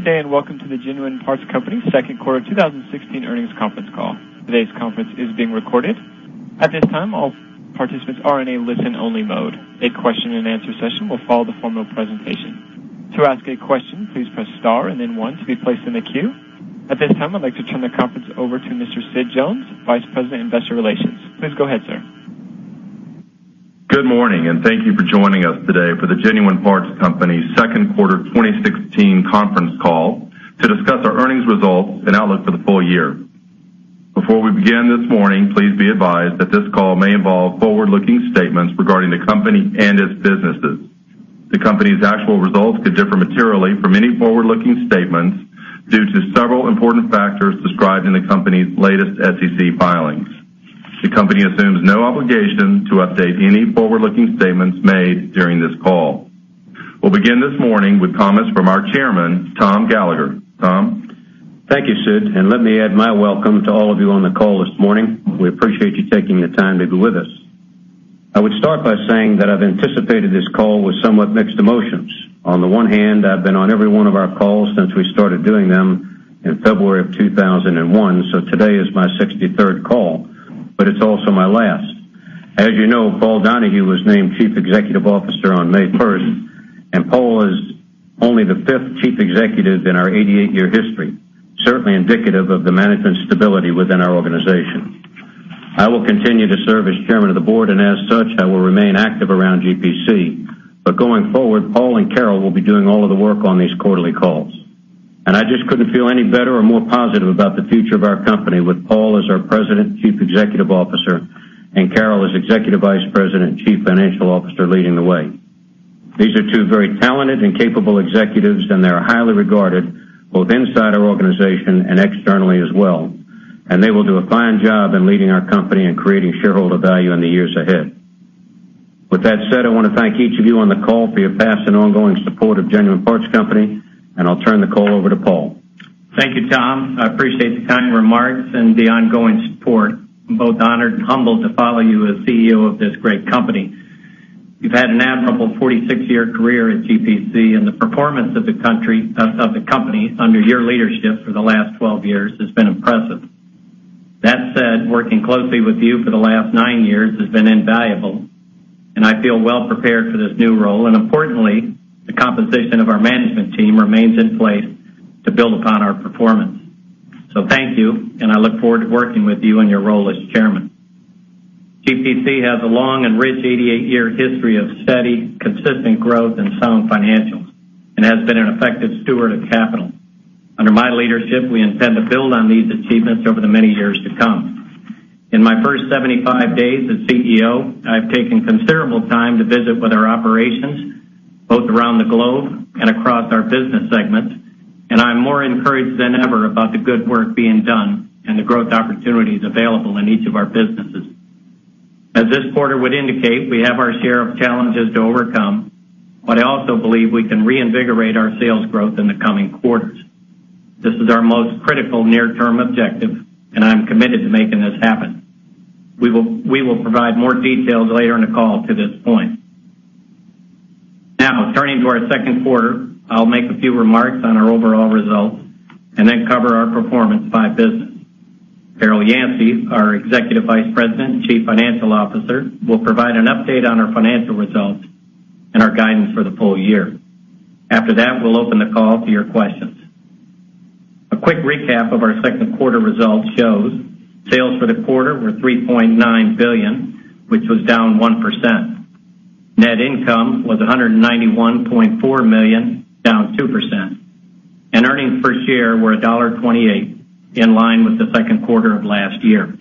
Good day, and welcome to the Genuine Parts Company second quarter 2016 earnings conference call. Today's conference is being recorded. At this time, all participants are in a listen-only mode. A question-and-answer session will follow the formal presentation. To ask a question, please press star and then one to be placed in the queue. At this time, I'd like to turn the conference over to Mr. Sid Jones, Vice President, Investor Relations. Please go ahead, sir. Good morning, thank you for joining us today for the Genuine Parts Company second quarter 2016 conference call to discuss our earnings results and outlook for the full year. Before we begin this morning, please be advised that this call may involve forward-looking statements regarding the company and its businesses. The company's actual results could differ materially from any forward-looking statements due to several important factors described in the company's latest SEC filings. The company assumes no obligation to update any forward-looking statements made during this call. We'll begin this morning with comments from our Chairman, Tom Gallagher. Tom? Thank you, Sid, let me add my welcome to all of you on the call this morning. We appreciate you taking the time to be with us. I would start by saying that I've anticipated this call with somewhat mixed emotions. On the one hand, I've been on every one of our calls since we started doing them in February of 2001, today is my 63rd call, it's also my last. As you know, Paul Donahue was named Chief Executive Officer on May 1st, Paul is only the fifth chief executive in our 88-year history, certainly indicative of the management stability within our organization. I will continue to serve as Chairman of the Board, as such, I will remain active around GPC. Going forward, Paul and Carol will be doing all of the work on these quarterly calls. I just couldn't feel any better or more positive about the future of our company with Paul as our President and Chief Executive Officer, Carol as Executive Vice President and Chief Financial Officer leading the way. These are two very talented and capable executives, they are highly regarded both inside our organization and externally as well, they will do a fine job in leading our company and creating shareholder value in the years ahead. With that said, I want to thank each of you on the call for your past and ongoing support of Genuine Parts Company, I'll turn the call over to Paul. Thank you, Tom. I appreciate the kind remarks and the ongoing support. I'm both honored and humbled to follow you as CEO of this great company. You've had an admirable 46-year career at GPC, and the performance of the company under your leadership for the last 12 years has been impressive. That said, working closely with you for the last 9 years has been invaluable, and I feel well prepared for this new role, and importantly, the composition of our management team remains in place to build upon our performance. Thank you, and I look forward to working with you in your role as Chairman. GPC has a long and rich 88-year history of steady, consistent growth and sound financials and has been an effective steward of capital. Under my leadership, we intend to build on these achievements over the many years to come. In my first 75 days as CEO, I've taken considerable time to visit with our operations, both around the globe and across our business segments, and I'm more encouraged than ever about the good work being done and the growth opportunities available in each of our businesses. This quarter would indicate, we have our share of challenges to overcome, I also believe we can reinvigorate our sales growth in the coming quarters. This is our most critical near-term objective, and I'm committed to making this happen. We will provide more details later in the call to this point. Turning to our second quarter, I'll make a few remarks on our overall results and then cover our performance by business. Carol Yancey, our Executive Vice President and Chief Financial Officer, will provide an update on our financial results and our guidance for the full year. After that, we'll open the call to your questions. A quick recap of our second quarter results shows sales for the quarter were $3.9 billion, which was down 1%. Net income was $191.4 million, down 2%. Earnings per share were $1.28, in line with the second quarter of last year.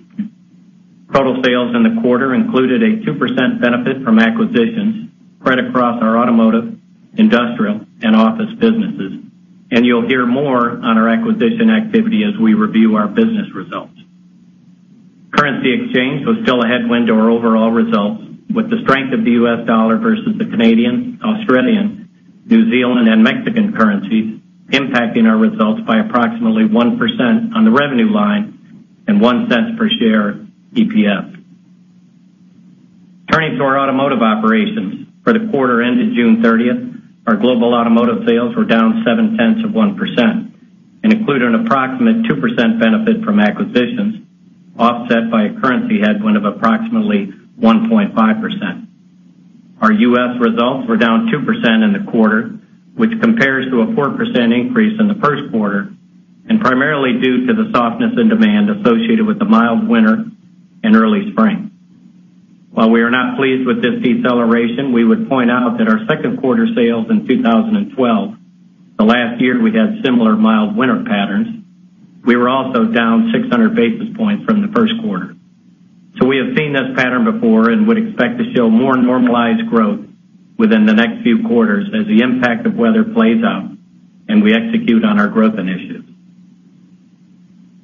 Total sales in the quarter included a 2% benefit from acquisitions right across our automotive, industrial, and office businesses, you'll hear more on our acquisition activity as we review our business results. Currency exchange was still a headwind to our overall results, with the strength of the U.S. dollar versus the Canadian, Australian, New Zealand, and Mexican currencies impacting our results by approximately 1% on the revenue line and $0.01 per share EPS. Turning to our automotive operations. For the quarter ended June 30th, our global automotive sales were down 0.7% and include an approximate 2% benefit from acquisitions, offset by a currency headwind of approximately 1.5%. Our U.S. results were down 2% in the quarter, which compares to a 4% increase in the first quarter, and primarily due to the softness in demand associated with the mild winter and early spring. While we are not pleased with this deceleration, we would point out that our second quarter sales in 2012, the last year we had similar mild winter patterns, we were also down 600 basis points from the first quarter. We have seen this pattern before and would expect to show more normalized growth within the next few quarters as the impact of weather plays out and we execute on our growth initiatives.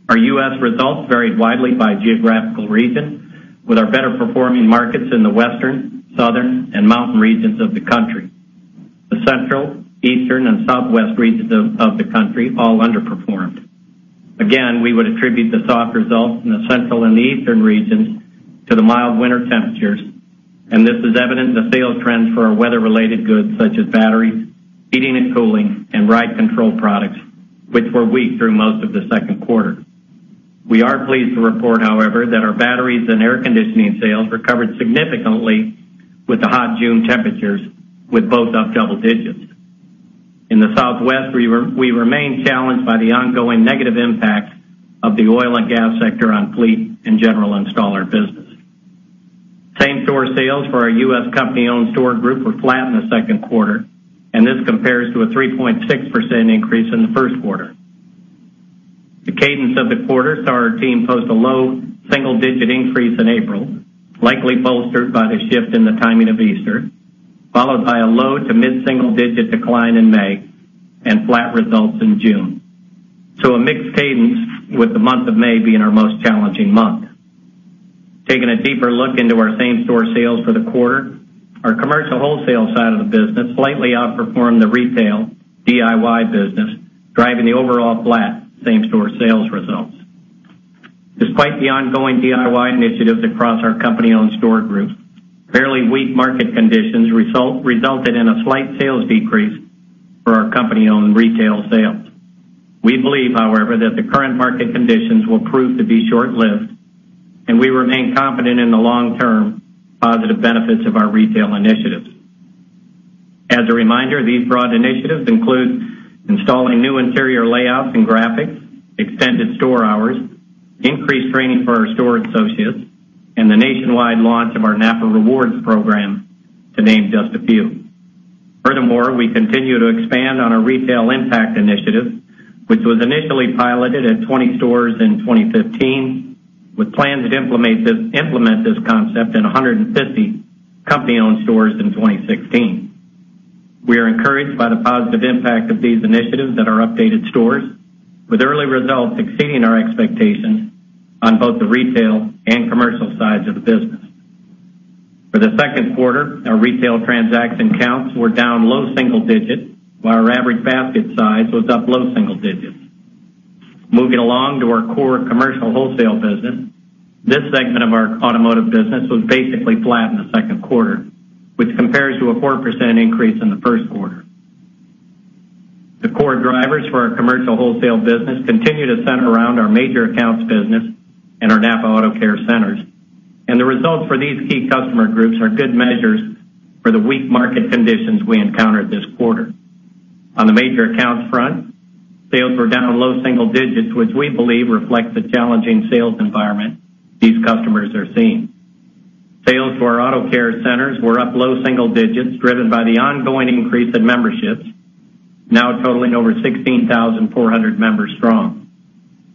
Our U.S. results varied widely by geographical region, with our better-performing markets in the Western, Southern, and Mountain regions of the country. The Central, Eastern, and Southwest regions of the country all underperformed. We would attribute the soft results in the Central and the Eastern regions to the mild winter temperatures, this is evident in the sales trends for our weather-related goods such as batteries, heating and cooling, and ride control products, which were weak through most of the second quarter. We are pleased to report, however, that our batteries and air conditioning sales recovered significantly with the hot June temperatures, with both up double digits. In the Southwest, we remain challenged by the ongoing negative impacts of the oil and gas sector on fleet and general installer business. Same-store sales for our U.S. company-owned store group were flat in the second quarter, this compares to a 3.6% increase in the first quarter. The cadence of the quarter saw our team post a low single-digit increase in April, likely bolstered by the shift in the timing of Easter, followed by a low- to mid-single-digit decline in May, and flat results in June. A mixed cadence with the month of May being our most challenging month. Taking a deeper look into our same-store sales for the quarter, our commercial wholesale side of the business slightly outperformed the retail DIY business, driving the overall flat same-store sales results. Despite the ongoing DIY initiatives across our company-owned store group, fairly weak market conditions resulted in a slight sales decrease for our company-owned retail sales. We believe, however, that the current market conditions will prove to be short-lived, we remain confident in the long-term positive benefits of our retail initiatives. As a reminder, these broad initiatives include installing new interior layouts and graphics, extended store hours, increased training for our store associates, and the nationwide launch of our NAPA Rewards program, to name just a few. Furthermore, we continue to expand on our retail impact initiative, which was initially piloted at 20 stores in 2015, with plans to implement this concept in 150 company-owned stores in 2016. We are encouraged by the positive impact of these initiatives at our updated stores, with early results exceeding our expectations on both the retail and commercial sides of the business. For the second quarter, our retail transaction counts were down low single digits, while our average basket size was up low single digits. Moving along to our core commercial wholesale business. This segment of our automotive business was basically flat in the second quarter, which compares to a 4% increase in the first quarter. The core drivers for our commercial wholesale business continue to center around our major accounts business and our NAPA AutoCare Centers, the results for these key customer groups are good measures for the weak market conditions we encountered this quarter. On the major accounts front, sales were down low single digits, which we believe reflect the challenging sales environment these customers are seeing. Sales for our AutoCare Centers were up low single digits, driven by the ongoing increase in memberships, now totaling over 16,400 members strong.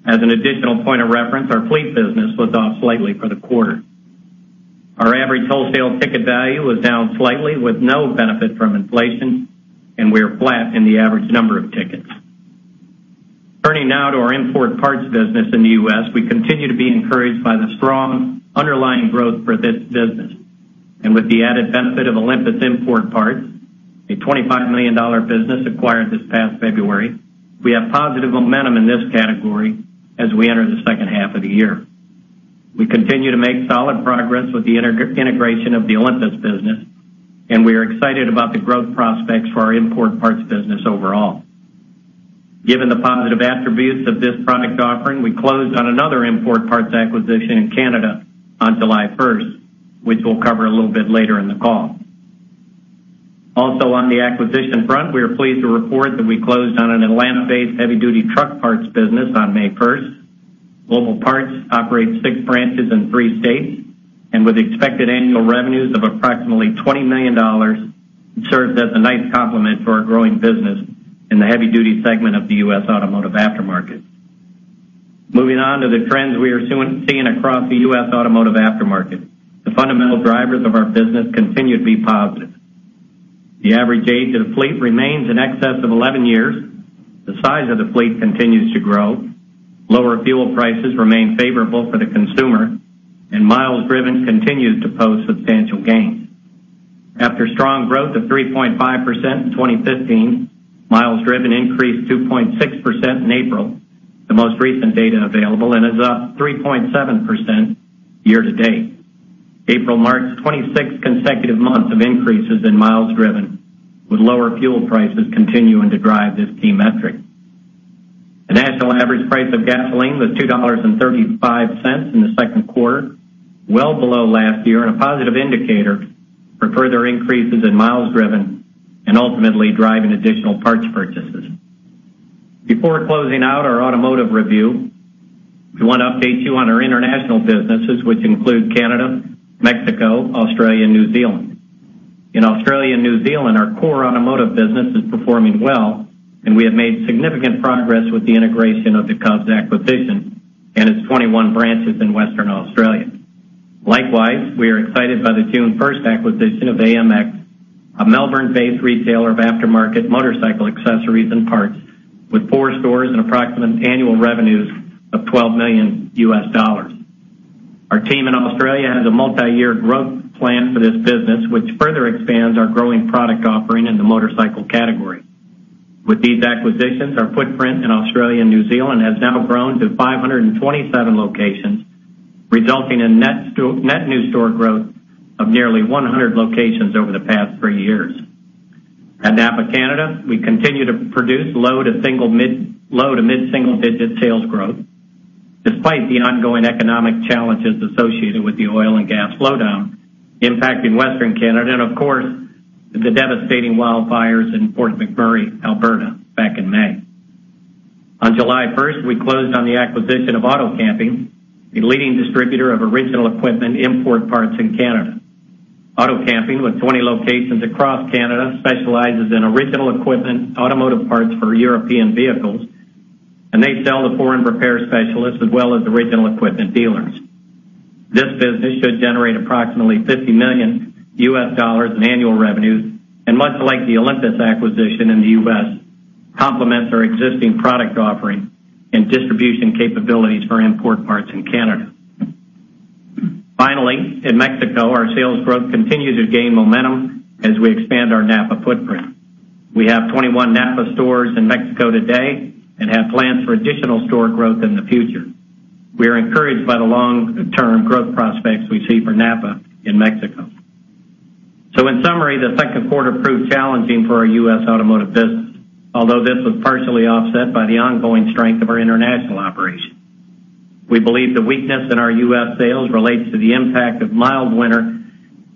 As an additional point of reference, our fleet business was off slightly for the quarter. Our average wholesale ticket value was down slightly with no benefit from inflation, and we are flat in the average number of tickets. Turning now to our import parts business in the U.S., we continue to be encouraged by the strong underlying growth for this business. With the added benefit of Olympus Imported Auto Parts, a $25 million business acquired this past February, we have positive momentum in this category as we enter the second half of the year. We continue to make solid progress with the integration of the Olympus business, and we are excited about the growth prospects for our import parts business overall. Given the positive attributes of this product offering, we closed on another import parts acquisition in Canada on July 1st, which we'll cover a little bit later in the call. Also on the acquisition front, we are pleased to report that we closed on an Atlanta-based heavy-duty truck parts business on May 1st. Global Parts operates six branches in three states, and with expected annual revenues of approximately $20 million, it serves as a nice complement to our growing business in the U.S. automotive aftermarket. Moving on to the trends we are seeing across the U.S. automotive aftermarket. The fundamental drivers of our business continue to be positive. The average age of the fleet remains in excess of 11 years. The size of the fleet continues to grow. Lower fuel prices remain favorable for the consumer, and miles driven continues to post substantial gains. After strong growth of 3.5% in 2015, miles driven increased 2.6% in April, the most recent data available, and is up 3.7% year to date. April marks 26 consecutive months of increases in miles driven, with lower fuel prices continuing to drive this key metric. The national average price of gasoline was $2.35 in the second quarter, well below last year, and a positive indicator for further increases in miles driven and ultimately driving additional parts purchases. Before closing out our automotive review, we want to update you on our international businesses, which include Canada, Mexico, Australia, and New Zealand. In Australia and New Zealand, our core automotive business is performing well, and we have made significant progress with the integration of the Covs Parts acquisition and its 21 branches in Western Australia. Likewise, we are excited by the June 1st acquisition of AMX, a Melbourne-based retailer of aftermarket motorcycle accessories and parts with four stores and approximate annual revenues of $12 million. Our team in Australia has a multiyear growth plan for this business, which further expands our growing product offering in the motorcycle category. With these acquisitions, our footprint in Australia and New Zealand has now grown to 527 locations, resulting in net new store growth of nearly 100 locations over the past three years. At NAPA Canada, we continue to produce low-to-mid single-digit sales growth, despite the ongoing economic challenges associated with the oil and gas slowdown impacting Western Canada and, of course, the devastating wildfires in Fort McMurray, Alberta, back in May. On July 1st, we closed on the acquisition of Auto-Camping, Ltd., a leading distributor of original equipment import parts in Canada. Auto-Camping, Ltd., with 20 locations across Canada, specializes in original equipment automotive parts for European vehicles, and they sell to foreign repair specialists as well as original equipment dealers. This business should generate approximately $50 million in annual revenues and, much like the Olympus acquisition in the U.S., complements our existing product offering and distribution capabilities for import parts in Canada. In Mexico, our sales growth continues to gain momentum as we expand our NAPA footprint. We have 21 NAPA stores in Mexico today and have plans for additional store growth in the future. We are encouraged by the long-term growth prospects we see for NAPA in Mexico. In summary, the second quarter proved challenging for our U.S. automotive business, although this was partially offset by the ongoing strength of our international operations. We believe the weakness in our U.S. sales relates to the impact of mild winter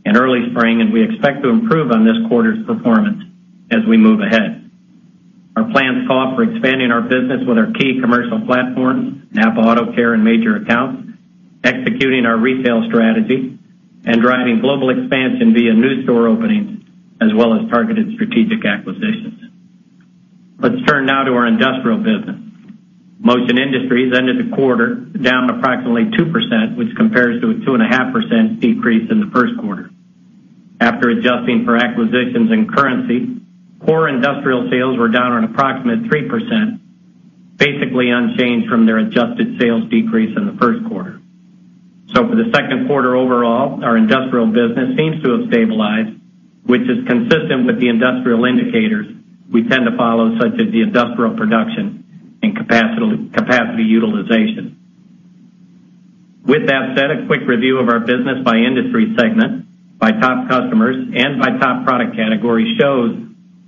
and early spring, and we expect to improve on this quarter's performance as we move ahead. Our plans call for expanding our business with our key commercial platforms, NAPA Auto Care and Major Accounts, executing our retail strategy, and driving global expansion via new store openings as well as targeted strategic acquisitions. Let's turn now to our industrial business. Motion Industries ended the quarter down approximately 2%, which compares to a 2.5% decrease in the first quarter. After adjusting for acquisitions and currency, core industrial sales were down an approximate 3%, basically unchanged from their adjusted sales decrease in the first quarter. For the second quarter overall, our industrial business seems to have stabilized, which is consistent with the industrial indicators we tend to follow, such as industrial production and capacity utilization. With that said, a quick review of our business by industry segment, by top customers, and by top product category shows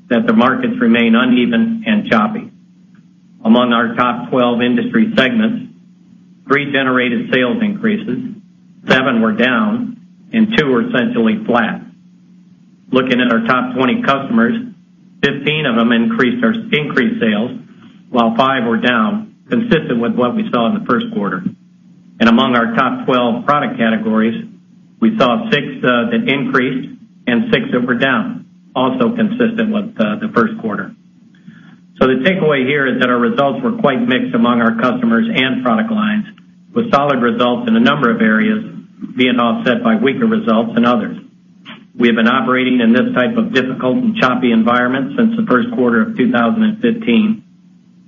that the markets remain uneven and choppy. Among our top 12 industry segments, three generated sales increases, seven were down, and two were essentially flat. Looking at our top 20 customers, 15 of them increased sales, while five were down, consistent with what we saw in the first quarter. Among our top 12 product categories, we saw six that increased and six that were down, also consistent with the first quarter. The takeaway here is that our results were quite mixed among our customers and product lines, with solid results in a number of areas being offset by weaker results in others. We have been operating in this type of difficult and choppy environment since the first quarter of 2015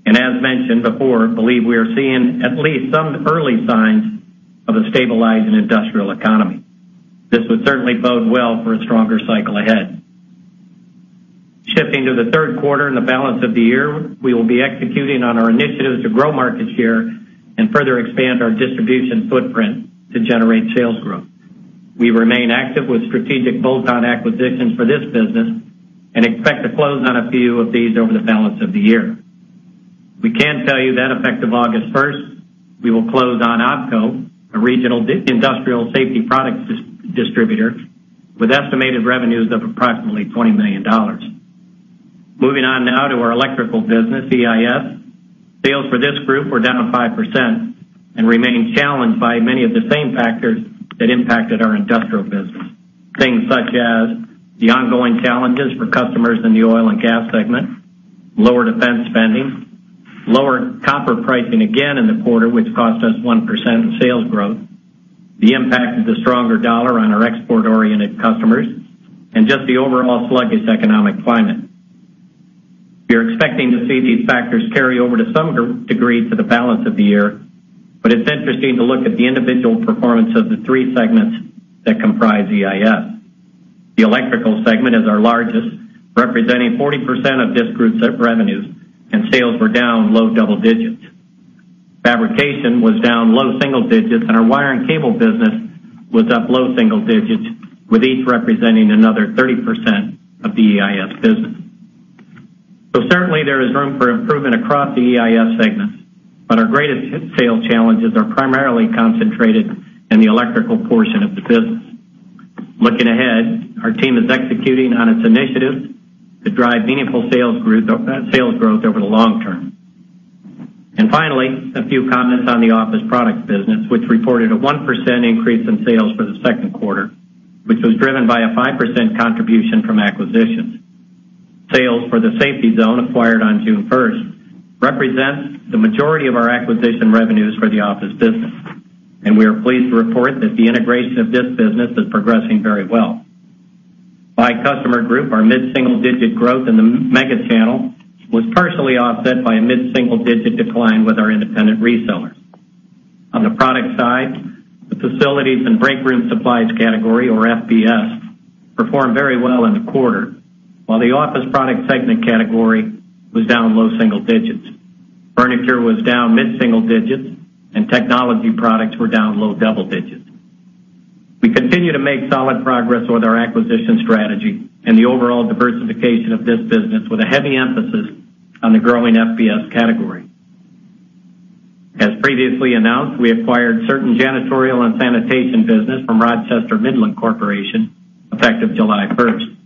and, as mentioned before, believe we are seeing at least some early signs of a stabilizing industrial economy. This would certainly bode well for a stronger cycle ahead. Shifting to the third quarter and the balance of the year, we will be executing on our initiatives to grow market share and further expand our distribution footprint to generate sales growth. We remain active with strategic bolt-on acquisitions for this business and expect to close on a few of these over the balance of the year. We can tell you that effective August 1, we will close on OpCo, a regional industrial safety products distributor with estimated revenues of approximately $20 million. Moving on now to our electrical business, EIS. Sales for this group were down 5% and remain challenged by many of the same factors that impacted our industrial business. Things such as the ongoing challenges for customers in the oil and gas segment, lower defense spending, lower copper pricing again in the quarter, which cost us 1% of sales growth, the impact of the stronger dollar on our export-oriented customers, and just the overall sluggish economic climate. We are expecting to see these factors carry over to some degree to the balance of the year, but it's interesting to look at the individual performance of the three segments that comprise EIS. The electrical segment is our largest, representing 40% of this group's revenues, and sales were down low double digits. Fabrication was down low single digits, and our wire and cable business was up low single digits, with each representing another 30% of the EIS business. Certainly, there is room for improvement across the EIS segments, but our greatest sales challenges are primarily concentrated in the electrical portion of the business. Looking ahead, our team is executing on its initiatives to drive meaningful sales growth over the long term. Finally, a few comments on the office products business, which reported a 1% increase in sales for the second quarter, which was driven by a 5% contribution from acquisitions. Sales for The Safety Zone acquired on June first represent the majority of our acquisition revenues for the office business, and we are pleased to report that the integration of this business is progressing very well. By customer group, our mid-single-digit growth in the mega channel was partially offset by a mid-single-digit decline with our independent resellers. On the product side, the facilities and break room supplies category, or FBS, performed very well in the quarter, while the office product segment category was down low single digits. Furniture was down mid-single digits and technology products were down low double digits. We continue to make solid progress with our acquisition strategy and the overall diversification of this business with a heavy emphasis on the growing FBS category. As previously announced, we acquired certain janitorial and sanitation business from Rochester Midland Corporation effective July 1st.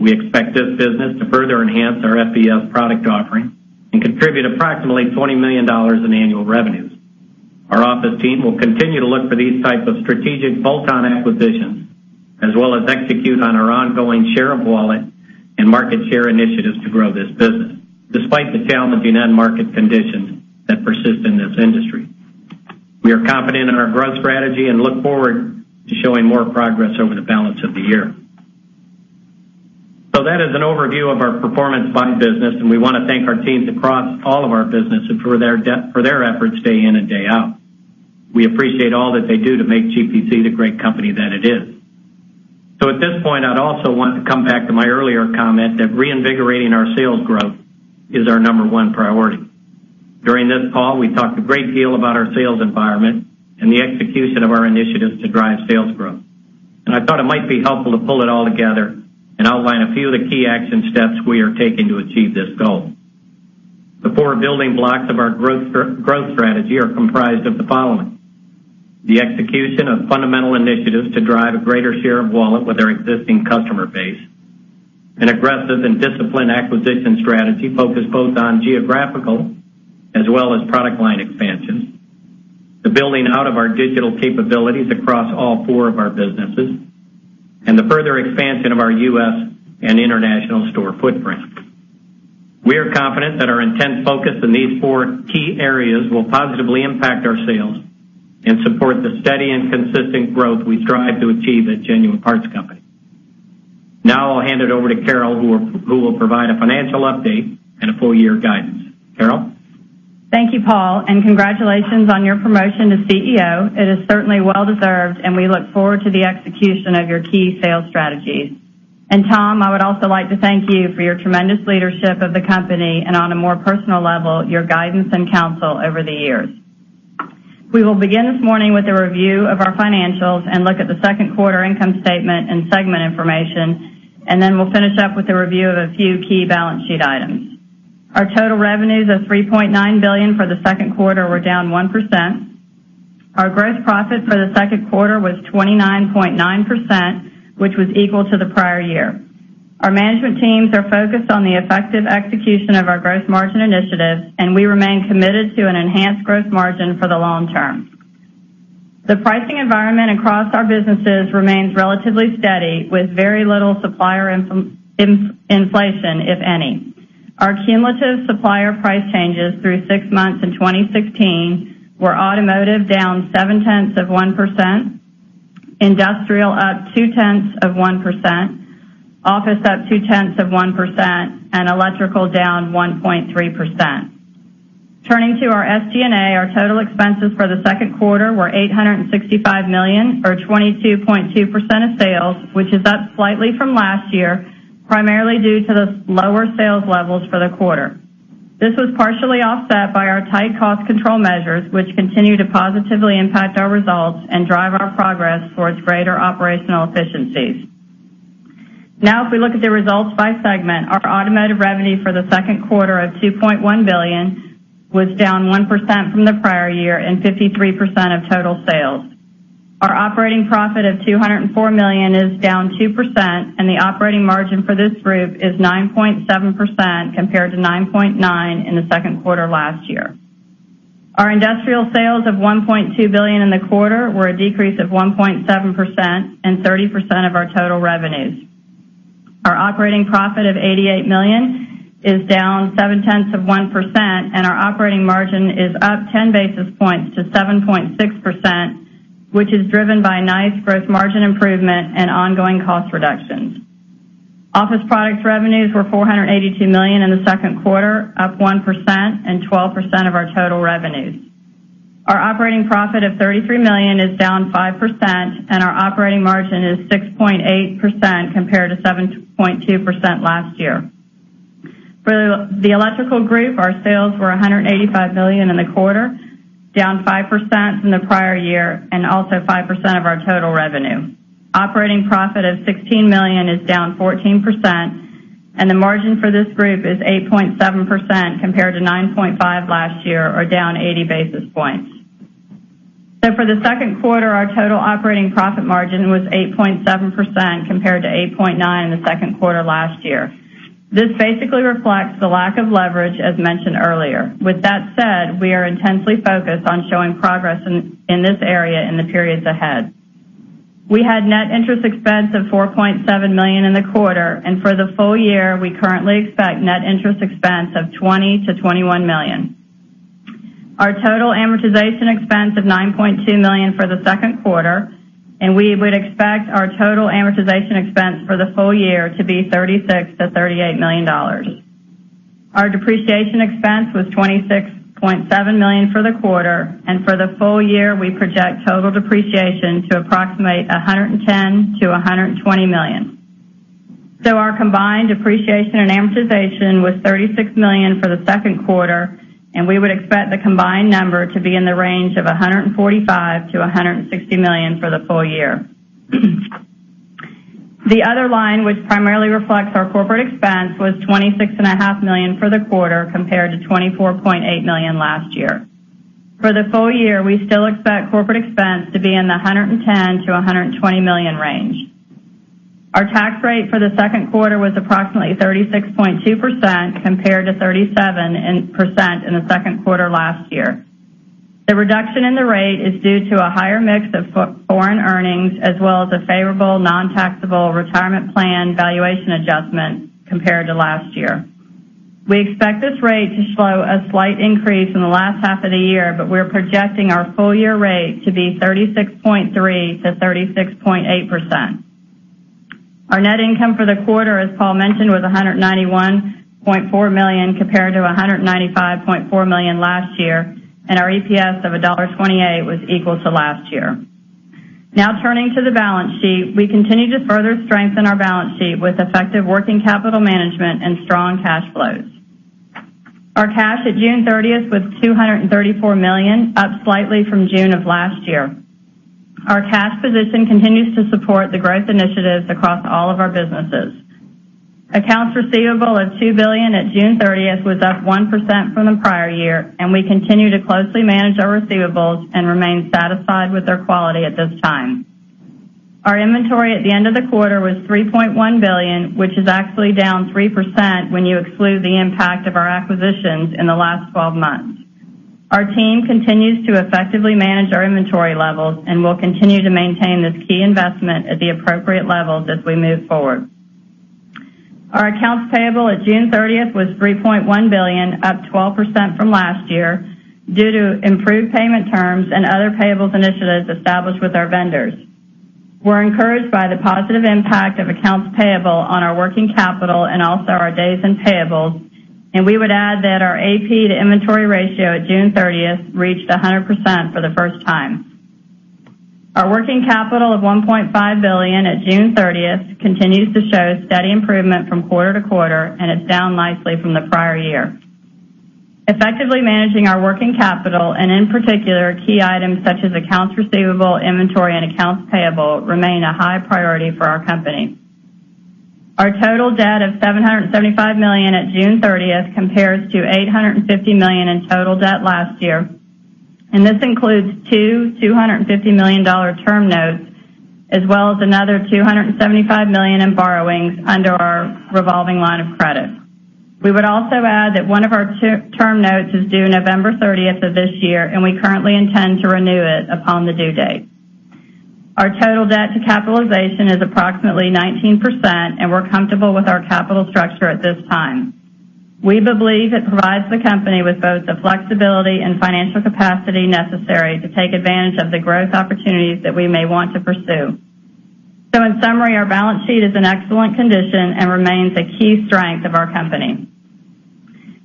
We expect this business to further enhance our FBS product offering and contribute approximately $20 million in annual revenues. Our office team will continue to look for these types of strategic bolt-on acquisitions, as well as execute on our ongoing share of wallet and market share initiatives to grow this business, despite the challenging end market conditions that persist in this industry. We are confident in our growth strategy and look forward to showing more progress over the balance of the year. That is an overview of our performance by business, and we want to thank our teams across all of our businesses for their efforts day in and day out. We appreciate all that they do to make GPC the great company that it is. At this point, I'd also want to come back to my earlier comment that reinvigorating our sales growth is our number one priority. During this call, we talked a great deal about our sales environment and the execution of our initiatives to drive sales growth. I thought it might be helpful to pull it all together and outline a few of the key action steps we are taking to achieve this goal. The four building blocks of our growth strategy are comprised of the following: the execution of fundamental initiatives to drive a greater share of wallet with our existing customer base, an aggressive and disciplined acquisition strategy focused both on geographical as well as product line expansions, the building out of our digital capabilities across all four of our businesses, and the further expansion of our U.S. and international store footprint. We are confident that our intent focus on these four key areas will positively impact our sales and support the steady and consistent growth we strive to achieve at Genuine Parts Company. I'll hand it over to Carol, who will provide a financial update and a full year guidance. Carol? Thank you, Paul, and congratulations on your promotion to CEO. It is certainly well-deserved and we look forward to the execution of your key sales strategies. Tom, I would also like to thank you for your tremendous leadership of the company, and on a more personal level, your guidance and counsel over the years. We will begin this morning with a review of our financials and look at the second quarter income statement and segment information, we'll finish up with a review of a few key balance sheet items. Our total revenues of $3.9 billion for the second quarter were down 1%. Our gross profit for the second quarter was 29.9%, which was equal to the prior year. Our management teams are focused on the effective execution of our gross margin initiatives, and we remain committed to an enhanced gross margin for the long term. The pricing environment across our businesses remains relatively steady with very little supplier inflation, if any. Our cumulative supplier price changes through six months in 2016 were automotive down seven tenths of 1%, industrial up two tenths of 1%, office up two tenths of 1%, and electrical down 1.3%. Turning to our SG&A, our total expenses for the second quarter were $865 million, or 22.2% of sales, which is up slightly from last year, primarily due to the lower sales levels for the quarter. This was partially offset by our tight cost control measures, which continue to positively impact our results and drive our progress towards greater operational efficiencies. If we look at the results by segment, our automotive revenue for the second quarter of $2.1 billion was down 1% from the prior year and 53% of total sales. Our operating profit of $204 million is down 2% and the operating margin for this group is 9.7% compared to 9.9% in the second quarter last year. Our industrial sales of $1.2 billion in the quarter were a decrease of 1.7% and 30% of our total revenues. Our operating profit of $88 million is down seven tenths of 1% and our operating margin is up 10 basis points to 7.6%, which is driven by a nice gross margin improvement and ongoing cost reductions. Office products revenues were $482 million in the second quarter, up 1% and 12% of our total revenues. Our operating profit of $33 million is down 5% and our operating margin is 6.8% compared to 7.2% last year. For the electrical group, our sales were $185 million in the quarter, down 5% from the prior year and also 5% of our total revenue. Operating profit of $16 million is down 14%. The margin for this group is 8.7% compared to 9.5% last year, or down 80 basis points. For the second quarter, our total operating profit margin was 8.7% compared to 8.9% in the second quarter last year. This basically reflects the lack of leverage as mentioned earlier. With that said, we are intensely focused on showing progress in this area in the periods ahead. We had net interest expense of $4.7 million in the quarter. For the full year, we currently expect net interest expense of $20 million-$21 million. Our total amortization expense of $9.2 million for the second quarter. We would expect our total amortization expense for the full year to be $36 million-$38 million. Our depreciation expense was $26.7 million for the quarter. For the full year, we project total depreciation to approximate $110 million-$120 million. Our combined depreciation and amortization was $36 million for the second quarter. We would expect the combined number to be in the range of $145 million-$160 million for the full year. The other line, which primarily reflects our corporate expense, was $26.5 million for the quarter, compared to $24.8 million last year. For the full year, we still expect corporate expense to be in the $110 million-$120 million range. Our tax rate for the second quarter was approximately 36.2%, compared to 37% in the second quarter last year. The reduction in the rate is due to a higher mix of foreign earnings, as well as a favorable nontaxable retirement plan valuation adjustment compared to last year. We expect this rate to show a slight increase in the last half of the year. We're projecting our full-year rate to be 36.3%-36.8%. Our net income for the quarter, as Paul mentioned, was $191.4 million, compared to $195.4 million last year. Our EPS of $1.28 was equal to last year. Now turning to the balance sheet. We continue to further strengthen our balance sheet with effective working capital management and strong cash flows. Our cash at June 30th was $234 million, up slightly from June of last year. Our cash position continues to support the growth initiatives across all of our businesses. Accounts receivable of $2 billion at June 30th was up 1% from the prior year. We continue to closely manage our receivables and remain satisfied with their quality at this time. Our inventory at the end of the quarter was $3.1 billion, which is actually down 3% when you exclude the impact of our acquisitions in the last 12 months. Our team continues to effectively manage our inventory levels and will continue to maintain this key investment at the appropriate levels as we move forward. Our accounts payable at June 30th was $3.1 billion, up 12% from last year due to improved payment terms and other payables initiatives established with our vendors. We're encouraged by the positive impact of accounts payable on our working capital and also our days in payables. We would add that our AP to inventory ratio at June 30th reached 100% for the first time. Our working capital of $1.5 billion at June 30th continues to show steady improvement from quarter to quarter and is down slightly from the prior year. Effectively managing our working capital, in particular, key items such as accounts receivable, inventory, and accounts payable, remain a high priority for our company. Our total debt of $775 million at June 30 compares to $850 million in total debt last year. This includes two $250 million term notes, as well as another $275 million in borrowings under our revolving line of credit. We would also add that one of our term notes is due November 30 of this year, and we currently intend to renew it upon the due date. Our total debt to capitalization is approximately 19%, and we're comfortable with our capital structure at this time. We believe it provides the company with both the flexibility and financial capacity necessary to take advantage of the growth opportunities that we may want to pursue. In summary, our balance sheet is in excellent condition and remains a key strength of our company.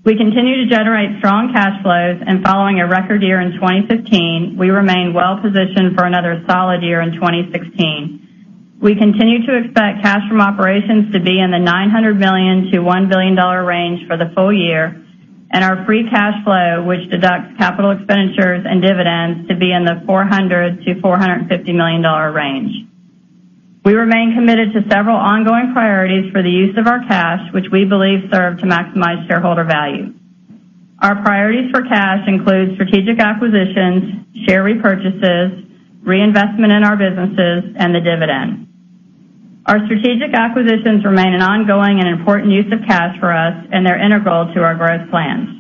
We continue to generate strong cash flows, and following a record year in 2015, we remain well-positioned for another solid year in 2016. We continue to expect cash from operations to be in the $900 million to $1 billion range for the full year. Our free cash flow, which deducts capital expenditures and dividends, to be in the $400 million to $450 million range. We remain committed to several ongoing priorities for the use of our cash, which we believe serve to maximize shareholder value. Our priorities for cash include strategic acquisitions, share repurchases, reinvestment in our businesses, and the dividend. Our strategic acquisitions remain an ongoing and important use of cash for us, and they're integral to our growth plans.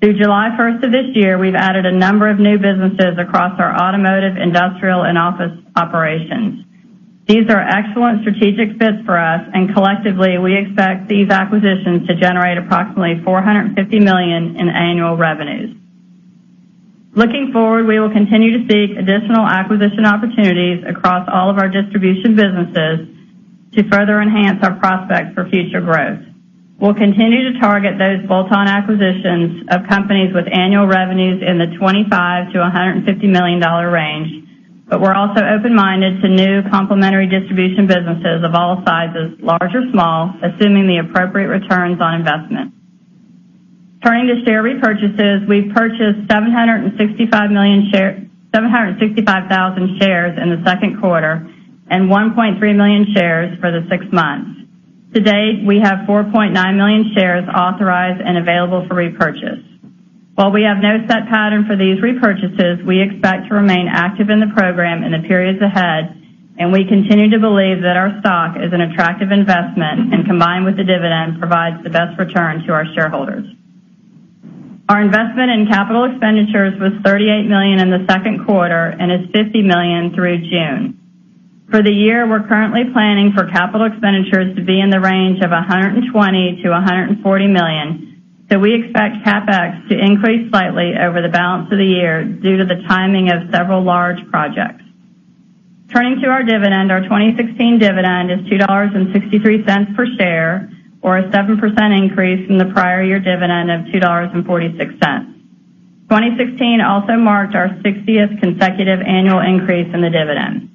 Through July 1 of this year, we've added a number of new businesses across our automotive, industrial, and office operations. These are excellent strategic fits for us. Collectively, we expect these acquisitions to generate approximately $450 million in annual revenues. Looking forward, we will continue to seek additional acquisition opportunities across all of our distribution businesses to further enhance our prospects for future growth. We'll continue to target those bolt-on acquisitions of companies with annual revenues in the $25 million to $150 million range. We're also open-minded to new complementary distribution businesses of all sizes, large or small, assuming the appropriate returns on investment. Turning to share repurchases, we've purchased 765,000 shares in the second quarter and 1.3 million shares for the six months. To date, we have 4.9 million shares authorized and available for repurchase. While we have no set pattern for these repurchases, we expect to remain active in the program in the periods ahead. We continue to believe that our stock is an attractive investment and combined with the dividend, provides the best return to our shareholders. Our investment in capital expenditures was $38 million in the second quarter and is $50 million through June. For the year, we're currently planning for capital expenditures to be in the range of $120 million to $140 million. We expect CapEx to increase slightly over the balance of the year due to the timing of several large projects. Turning to our dividend, our 2016 dividend is $2.63 per share, or a 7% increase from the prior year dividend of $2.46. 2016 also marked our 60th consecutive annual increase in the dividend.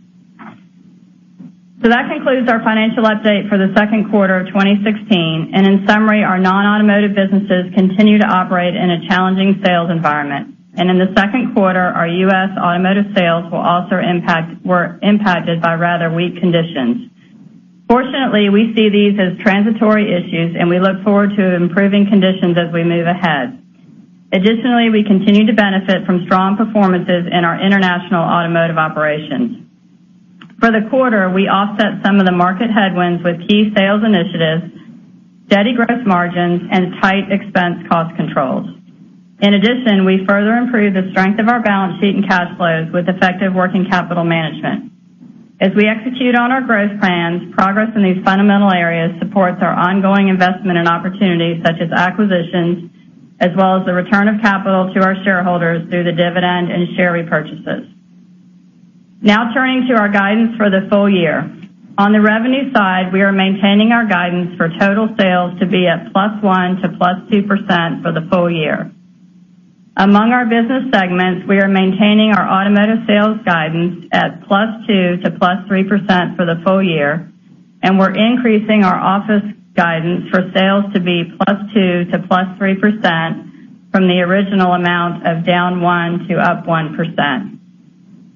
That concludes our financial update for the second quarter of 2016. In summary, our non-automotive businesses continue to operate in a challenging sales environment. In the second quarter, our U.S. automotive sales were also impacted by rather weak conditions. Fortunately, we see these as transitory issues, and we look forward to improving conditions as we move ahead. Additionally, we continue to benefit from strong performances in our international automotive operations. For the quarter, we offset some of the market headwinds with key sales initiatives, steady gross margins, and tight expense cost controls. In addition, we further improved the strength of our balance sheet and cash flows with effective working capital management. As we execute on our growth plans, progress in these fundamental areas supports our ongoing investment in opportunities such as acquisitions, as well as the return of capital to our shareholders through the dividend and share repurchases. Turning to our guidance for the full year. On the revenue side, we are maintaining our guidance for total sales to be at +1% to +2% for the full year. Among our business segments, we are maintaining our automotive sales guidance at +2% to +3% for the full year, and we're increasing our office guidance for sales to be +2% to +3% from the original amount of -1% to +1%.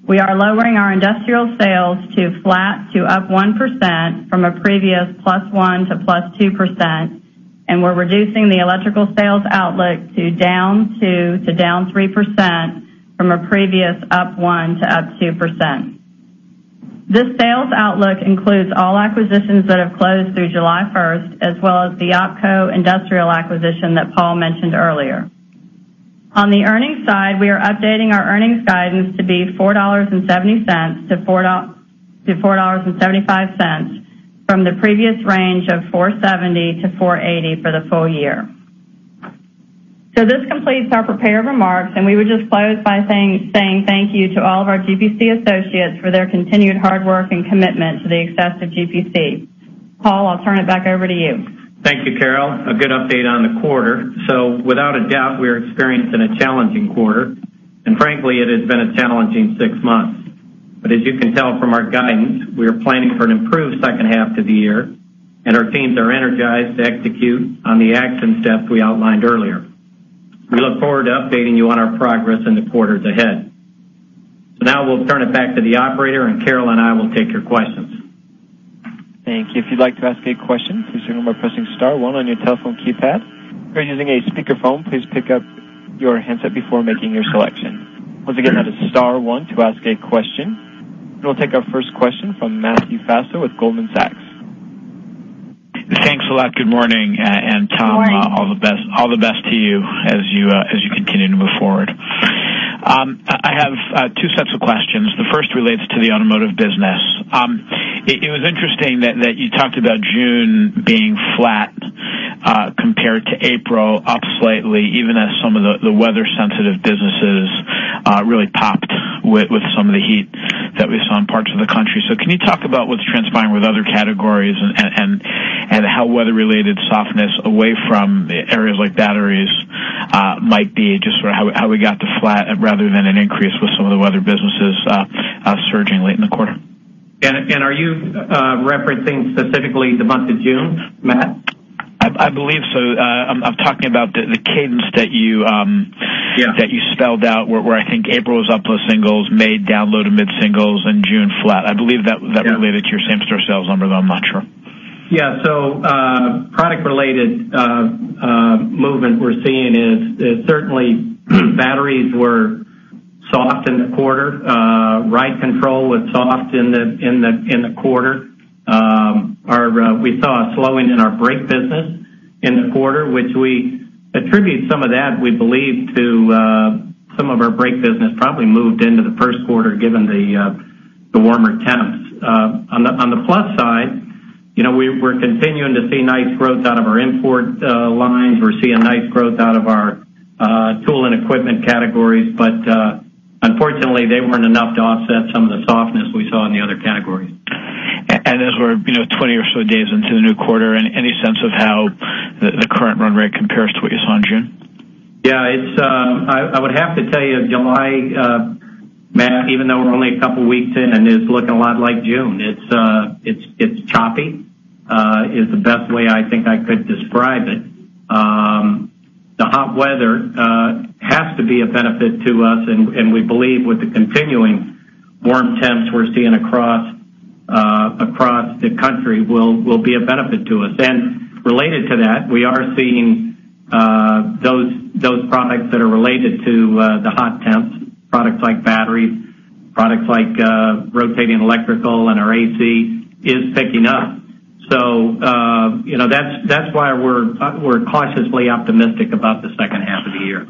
We are lowering our industrial sales to flat to +1% from a previous +1% to +2%, and we're reducing the electrical sales outlook to -2% to -3% from a previous +1% to +2%. This sales outlook includes all acquisitions that have closed through July 1st, as well as the OpCo industrial acquisition that Paul mentioned earlier. On the earnings side, we are updating our earnings guidance to be $4.70-$4.75 from the previous range of $4.70-$4.80 for the full year. This completes our prepared remarks, and we would just close by saying thank you to all of our GPC associates for their continued hard work and commitment to the success of GPC. Paul, I'll turn it back over to you. Thank you, Carol. A good update on the quarter. Without a doubt, we're experiencing a challenging quarter, and frankly, it has been a challenging six months. As you can tell from our guidance, we are planning for an improved second half to the year, and our teams are energized to execute on the action steps we outlined earlier. Now we'll turn it back to the operator, and Carol and I will take your questions. Thank you. If you'd like to ask a question, please remember pressing star one on your telephone keypad. If you're using a speakerphone, please pick up your handset before making your selection. Once again, that is star one to ask a question. We'll take our first question from Matthew Fassler with Goldman Sachs. Thanks a lot. Good morning. Good morning. Tom, all the best to you as you continue to move forward. I have two sets of questions. The first relates to the automotive business. It was interesting that you talked about June being flat compared to April, up slightly, even as some of the weather-sensitive businesses really popped with some of the heat that we saw in parts of the country. Can you talk about what's transpiring with other categories and how weather-related softness away from areas like batteries might be just how we got to flat rather than an increase with some of the weather businesses surging late in the quarter? Are you referencing specifically the month of June, Matt? I believe so. I'm talking about the cadence. Yeah that you spelled out, where I think April was up low singles, May down low to mid-singles, and June flat. Yeah related to your same-store sales number, though I'm not sure. Yeah. Product-related movement we're seeing is certainly batteries were soft in the quarter. Ride control was soft in the quarter. We saw a slowing in our brake business in the quarter, which we attribute some of that, we believe, to some of our brake business probably moved into the first quarter given the warmer temps. On the plus side, we're continuing to see nice growth out of our import lines. We're seeing nice growth out of our tool and equipment categories, unfortunately, they weren't enough to offset some of the softness we saw in the other categories. As we're 20 or so days into the new quarter, any sense of how the current run rate compares to what you saw in June? Yeah. I would have to tell you, July, Matt, even though we're only a couple of weeks in and it's looking a lot like June. It's choppy, is the best way I think I could describe it. The hot weather has to be a benefit to us, we believe with the continuing warm temps we're seeing across the country will be a benefit to us. Related to that, we are seeing those products that are related to the hot temps, products like batteries, products like rotating electrical and our AC, is picking up. That's why we're cautiously optimistic about the second half of the year.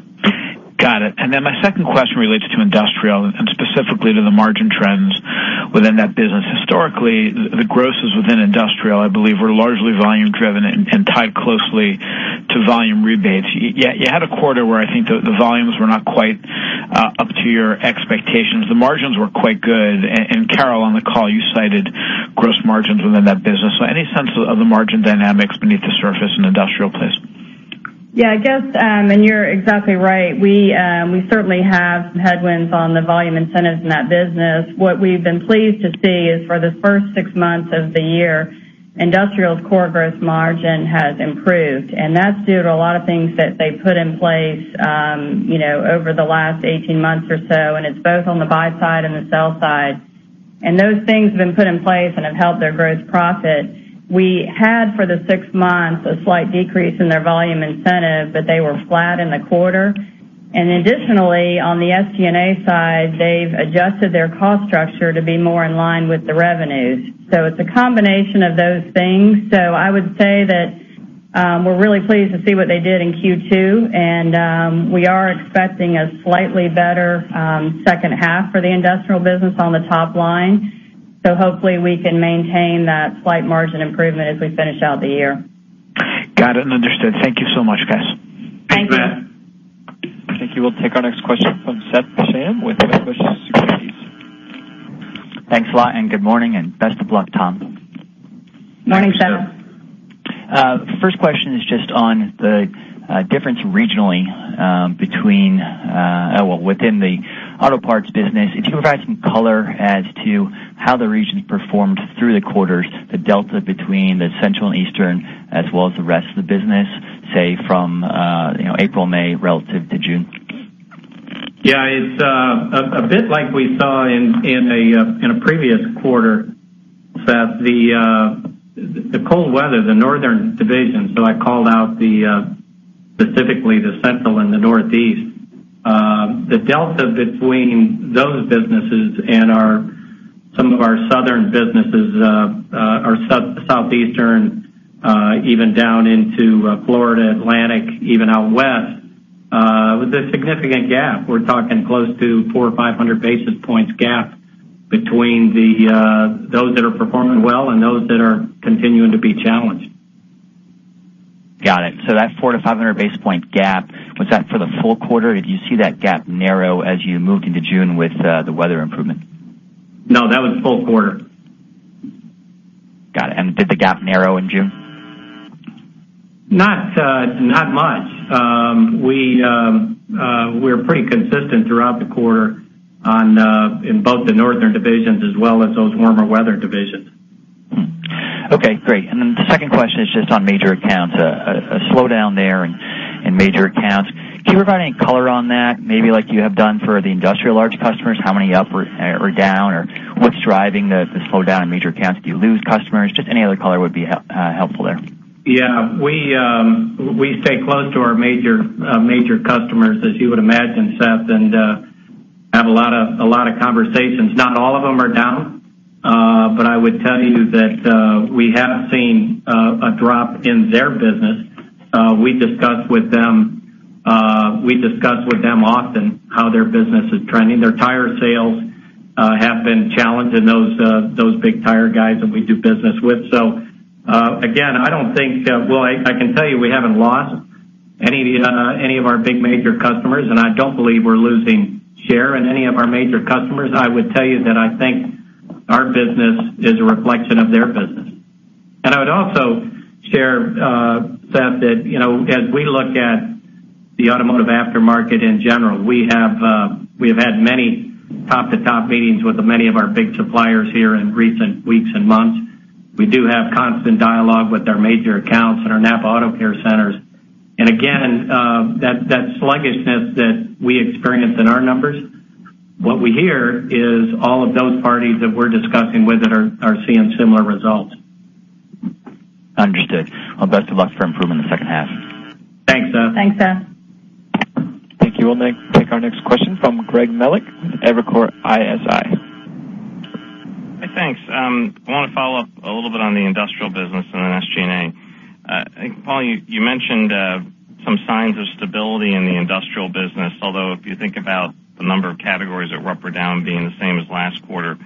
Got it. My second question relates to industrial and specifically to the margin trends within that business. Historically, the grosses within industrial, I believe, were largely volume-driven and tied closely to volume rebates. Yet you had a quarter where I think the volumes were not quite up to your expectations. The margins were quite good. Carol, on the call, you cited gross margins within that business. Any sense of the margin dynamics beneath the surface in industrial, please? Yeah, I guess, you're exactly right. We certainly have some headwinds on the volume incentives in that business. What we've been pleased to see is for the first six months of the year, industrial's core gross margin has improved, and that's due to a lot of things that they've put in place over the last 18 months or so, and it's both on the buy side and the sell side. Those things have been put in place and have helped their gross profit. We had, for the six months, a slight decrease in their volume incentive, they were flat in the quarter. Additionally, on the SG&A side, they've adjusted their cost structure to be more in line with the revenues. It's a combination of those things. I would say that we're really pleased to see what they did in Q2, we are expecting a slightly better second half for the industrial business on the top line. Hopefully we can maintain that slight margin improvement as we finish out the year. Got it, understood. Thank you so much, guys. Thanks. Thanks. Thank you. We'll take our next question from Scot Ciccarelli with Evercore ISI. Thanks a lot, good morning and best of luck, Tom. Morning, Scot. First question is just on the difference regionally within the auto parts business. If you could provide some color as to how the region performed through the quarters, the delta between the central and eastern as well as the rest of the business, say from April, May, relative to June. It's a bit like we saw in a previous quarter, Scot, the cold weather, the northern division. I called out specifically the central and the northeast. The delta between those businesses and some of our southern businesses, our southeastern even down into Florida, Atlantic, even out west, was a significant gap. We're talking close to 400 or 500 basis points gap between those that are performing well and those that are continuing to be challenged. Got it. That 400 to 500 basis point gap, was that for the full quarter? Did you see that gap narrow as you moved into June with the weather improvement? No, that was full quarter. Got it. Did the gap narrow in June? Not much. We're pretty consistent throughout the quarter in both the northern divisions as well as those warmer weather divisions. Okay, great. The second question is just on major accounts, a slowdown there in major accounts. Can you provide any color on that? Maybe like you have done for the industrial large customers, how many up or down, or what is driving the slowdown in major accounts? Do you lose customers? Just any other color would be helpful there. Yeah. We stay close to our major customers, as you would imagine, Scot, and have a lot of conversations. Not all of them are down, but I would tell you that we have seen a drop in their business. We discuss with them often how their business is trending. Their tire sales have been challenged in those big tire guys that we do business with. Again, I can tell you we haven't lost any of our big major customers, and I don't believe we're losing share in any of our major customers. I would tell you that I think our business is a reflection of their business. I would also share, Scot, that as we look at the automotive aftermarket in general, we have had many top-to-top meetings with many of our big suppliers here in recent weeks and months. We do have constant dialogue with our major accounts and our NAPA AutoCare Centers. Again, that sluggishness that we experienced in our numbers, what we hear is all of those parties that we're discussing with it are seeing similar results. Understood. Well, best of luck for improvement in the second half. Thanks, Scot. Thanks, Scot. Thank you. We'll take our next question from Greg Melich, Evercore ISI. Hey, thanks. I want to follow up a little bit on the industrial business and then SG&A. I think, Paul, you mentioned some signs of stability in the industrial business, although if you think about the number of categories that were up or down being the same as last quarter,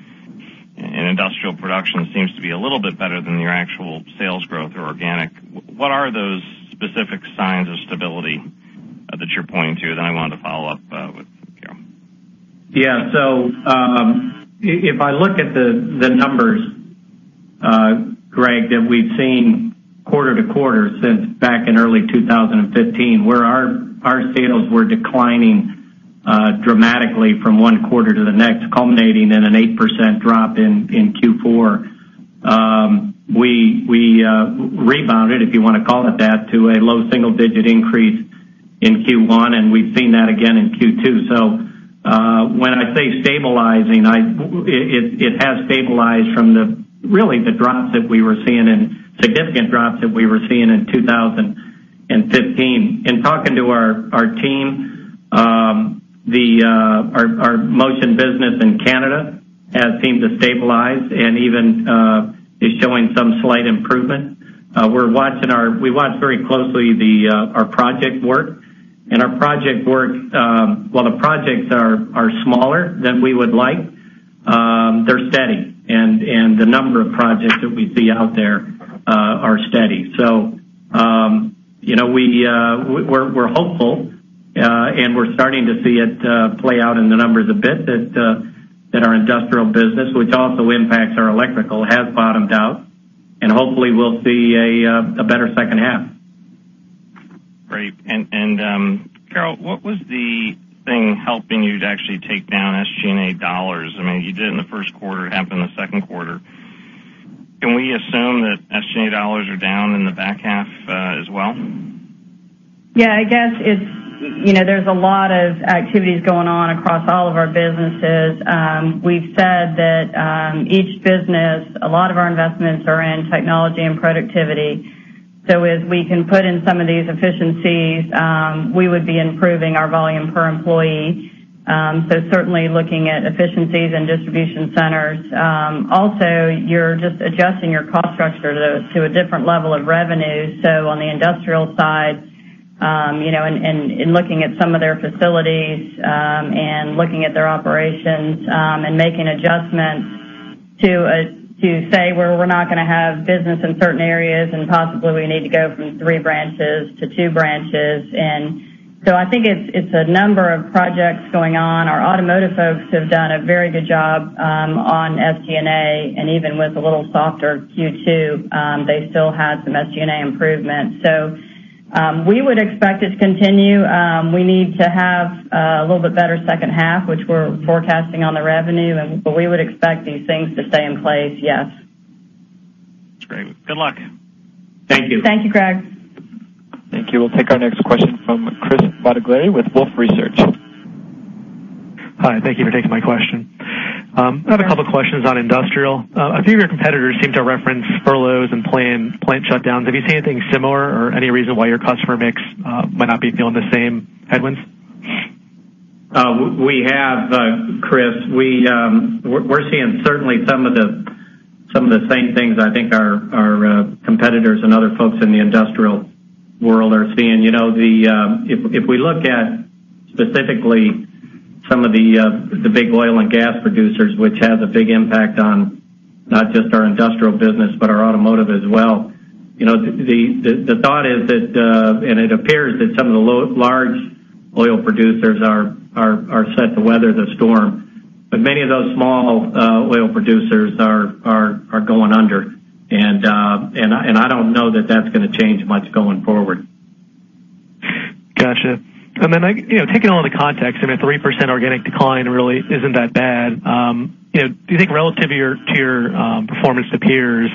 and industrial production seems to be a little bit better than your actual sales growth or organic. What are those specific signs of stability that you're pointing to? Then I wanted to follow up with Carol. If I look at the numbers, Greg, that we've seen quarter to quarter since back in early 2015, where our sales were declining dramatically from one quarter to the next, culminating in an 8% drop in Q4. We rebounded, if you want to call it that, to a low single-digit increase in Q1, and we've seen that again in Q2. When I say stabilizing, it has stabilized from really the drops that we were seeing and significant drops that we were seeing in 2015. In talking to our team, our Motion business in Canada has seemed to stabilize and even is showing some slight improvement. We watch very closely our project work. Our project work, while the projects are smaller than we would like, they're steady. The number of projects that we see out there are steady. We're hopeful, and we're starting to see it play out in the numbers a bit that our industrial business, which also impacts our electrical, has bottomed out. Hopefully we'll see a better second half. Great. Carol, what was the thing helping you to actually take down SG&A dollars? You did it in the first quarter, it happened the second quarter. Can we assume that SG&A dollars are down in the back half as well? I guess there's a lot of activities going on across all of our businesses. We've said that each business, a lot of our investments are in technology and productivity. As we can put in some of these efficiencies, we would be improving our volume per employee. Certainly looking at efficiencies and distribution centers. Also, you're just adjusting your cost structure to a different level of revenue. On the industrial side, in looking at some of their facilities, and looking at their operations, and making adjustments to say where we're not going to have business in certain areas, and possibly we need to go from three branches to two branches. I think it's a number of projects going on. Our automotive folks have done a very good job on SG&A, and even with a little softer Q2, they still had some SG&A improvement. We would expect it to continue. We need to have a little bit better second half, which we're forecasting on the revenue, but we would expect these things to stay in place, yes. That's great. Good luck. Thank you. Thank you, Greg. Thank you. We'll take our question from Chris Bottiglieri with Wolfe Research. Hi. Thank you for taking my question. Another couple of questions on industrial. A few of your competitors seem to reference furloughs and plant shutdowns. Have you seen anything similar or any reason why your customer mix might not be feeling the same headwinds? We have, Chris. We're seeing certainly some of the same things I think our competitors and other folks in the industrial world are seeing. If we look at, specifically, some of the big oil and gas producers, which has a big impact on not just our industrial business, but our automotive as well. The thought is that, and it appears that some of the large oil producers are set to weather the storm, but many of those small oil producers are going under. I don't know that that's going to change much going forward. Got you. Then, taking all the context, a 3% organic decline really isn't that bad. Do you think relative to your performance to peers,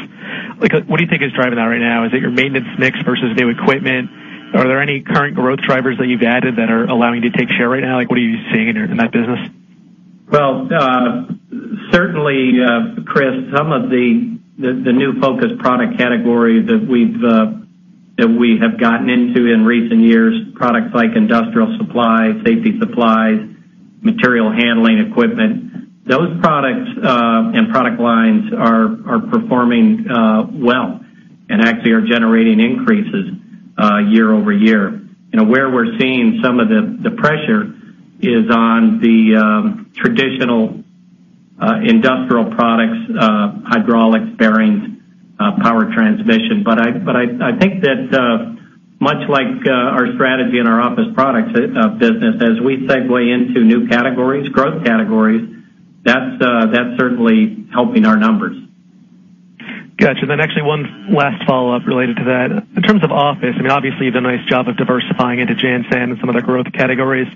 what do you think is driving that right now? Is it your maintenance mix versus new equipment? Are there any current growth drivers that you've added that are allowing you to take share right now? What are you seeing in that business? Well, certainly, Chris, some of the new focus product categories that we have gotten into in recent years, products like industrial supplies, safety supplies, material handling equipment. Those products and product lines are performing well and actually are generating increases year-over-year. Where we're seeing some of the pressure is on the traditional industrial products, hydraulics, bearings, power transmission. I think that much like our strategy in our office products business, as we segue into new categories, growth categories, that's certainly helping our numbers. Got you. Actually one last follow-up related to that. In terms of office, obviously you've done a nice job of diversifying into JanSan and some other growth categories,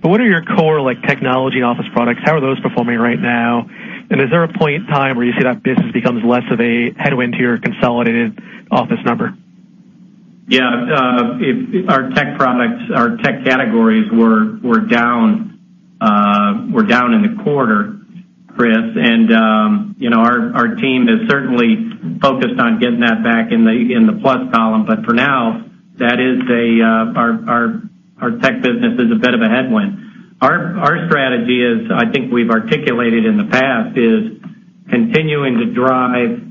what are your core technology and office products? How are those performing right now? Is there a point in time where you see that business becomes less of a headwind to your consolidated office number? Yeah. Our tech products, our tech categories were down in the quarter, Chris, our team is certainly focused on getting that back in the plus column, for now, our tech business is a bit of a headwind. Our strategy is, I think we've articulated in the past, is continuing to drive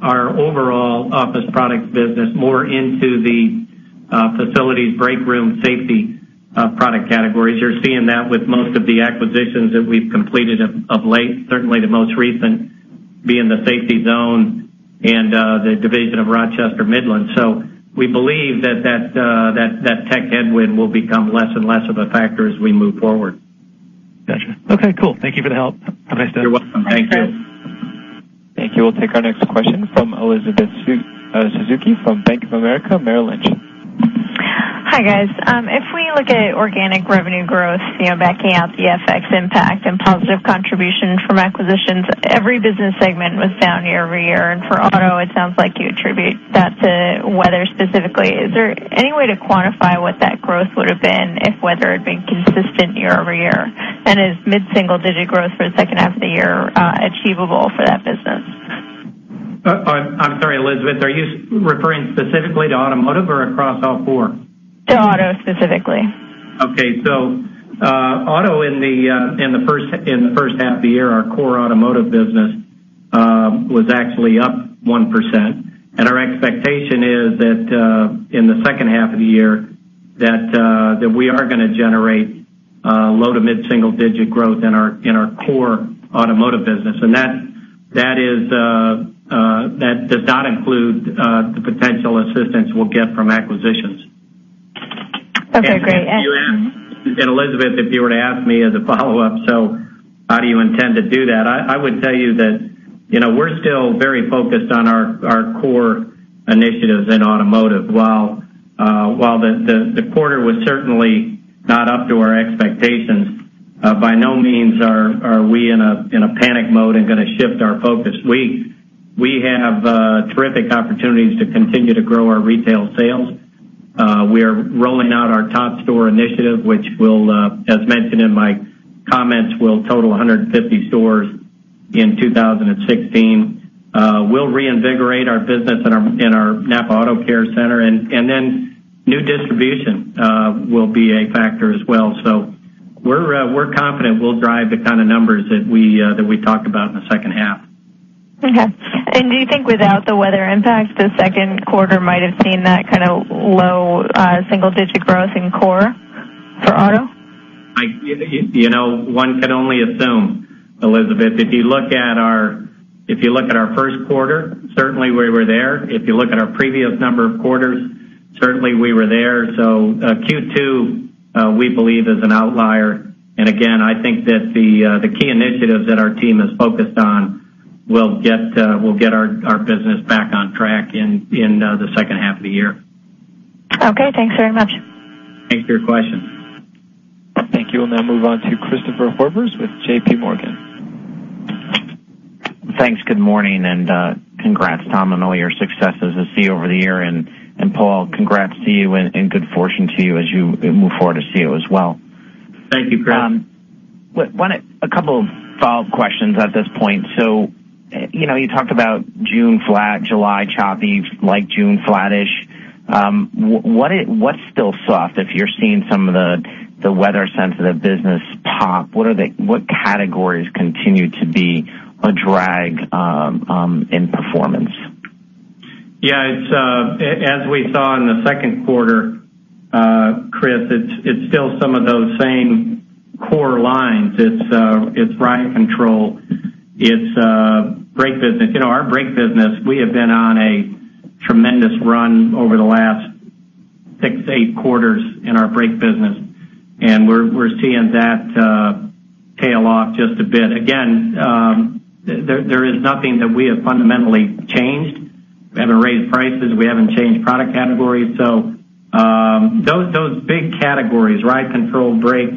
our overall office product business more into the facilities break room safety product categories. You're seeing that with most of the acquisitions that we've completed of late, certainly the most recent being The Safety Zone and the division of Rochester Midland. We believe that tech headwind will become less and less of a factor as we move forward. Got you. Okay, cool. Thank you for the help. Have a nice day. You're welcome. Thank you. Thanks. Thank you. We'll take our next question from Elizabeth Suzuki from Bank of America Merrill Lynch. Hi, guys. If we look at organic revenue growth, backing out the FX impact and positive contribution from acquisitions, every business segment was down year-over-year. For auto, it sounds like you attribute that to weather specifically. Is there any way to quantify what that growth would've been if weather had been consistent year-over-year? And is mid-single digit growth for the second half of the year achievable for that business? I'm sorry, Elizabeth, are you referring specifically to automotive or across all four? To auto specifically. Okay. Auto in the first half of the year, our core automotive business was actually up 1%. Our expectation is that in the second half of the year, that we are going to generate low to mid single digit growth in our core automotive business. That does not include the potential assistance we'll get from acquisitions. Okay, great. Elizabeth, if you were to ask me as a follow-up, how do you intend to do that? I would tell you that we're still very focused on our core initiatives in automotive while the quarter was certainly not up to our expectations, by no means are we in a panic mode and going to shift our focus. We have terrific opportunities to continue to grow our retail sales. We are rolling out our top store initiative, which will, as mentioned in my comments, will total 150 stores in 2016. We'll reinvigorate our business in our NAPA AutoCare Center. Then new distribution will be a factor as well. We're confident we'll drive the kind of numbers that we talked about in the second half. Okay. Do you think without the weather impact, the second quarter might've seen that kind of low single digit growth in core for auto? One can only assume, Elizabeth. If you look at our first quarter, certainly we were there. If you look at our previous number of quarters, certainly we were there. Q2, we believe is an outlier. Again, I think that the key initiatives that our team is focused on will get our business back on track in the second half of the year. Okay, thanks very much. Thanks for your question. Thank you. We'll now move on to Christopher Horvers with JPMorgan. Thanks. Good morning, congrats, Tom, on all your successes at CEO over the year, Paul, congrats to you and good fortune to you as you move forward as CEO as well. Thank you, Chris. A couple of follow-up questions at this point. You talked about June flat, July choppy, like June, flattish. What's still soft if you're seeing some of the weather sensitive business pop? What categories continue to be a drag in performance? Yeah, as we saw in the second quarter, Chris, it's still some of those same core lines. It's ride control. It's brake business. Our brake business, we have been on a tremendous run over the last six, eight quarters in our brake business, and we're seeing that tail off just a bit. Again, there is nothing that we have fundamentally changed. We haven't raised prices, we haven't changed product categories. Those big categories, ride control, brakes,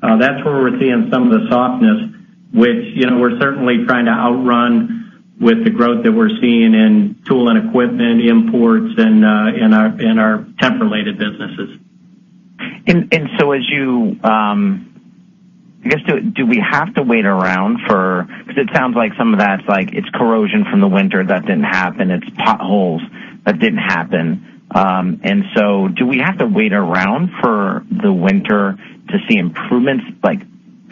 that's where we're seeing some of the softness, which we're certainly trying to outrun with the growth that we're seeing in tool and equipment, imports, and our temp related businesses. I guess, do we have to wait around for because it sounds like some of that's like, it's corrosion from the winter that didn't happen, it's potholes that didn't happen. Do we have to wait around for the winter to see improvements?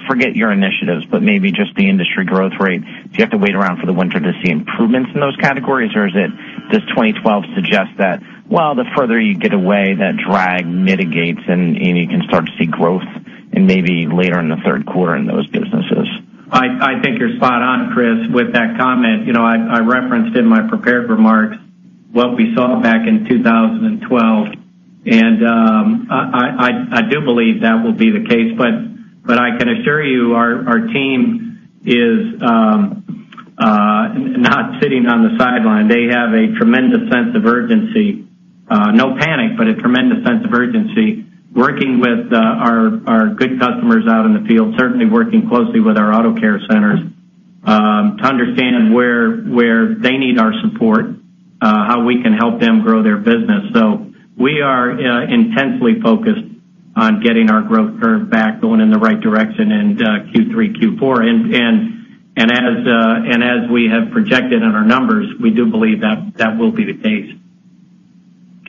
Forget your initiatives, but maybe just the industry growth rate. Do you have to wait around for the winter to see improvements in those categories? Or does 2012 suggest that, well, the further you get away, that drag mitigates, and you can start to see growth and maybe later in the third quarter in those businesses? I think you're spot on, Chris, with that comment. I referenced in my prepared remarks what we saw back in 2012, and I do believe that will be the case, but I can assure you our team is not sitting on the sideline. They have a tremendous sense of urgency. No panic, but a tremendous sense of urgency working with our good customers out in the field, certainly working closely with our NAPA AutoCare Centers, to understand where they need our support, how we can help them grow their business. We are intensely focused on getting our growth curve back going in the right direction in Q3, Q4. As we have projected in our numbers, we do believe that that will be the case.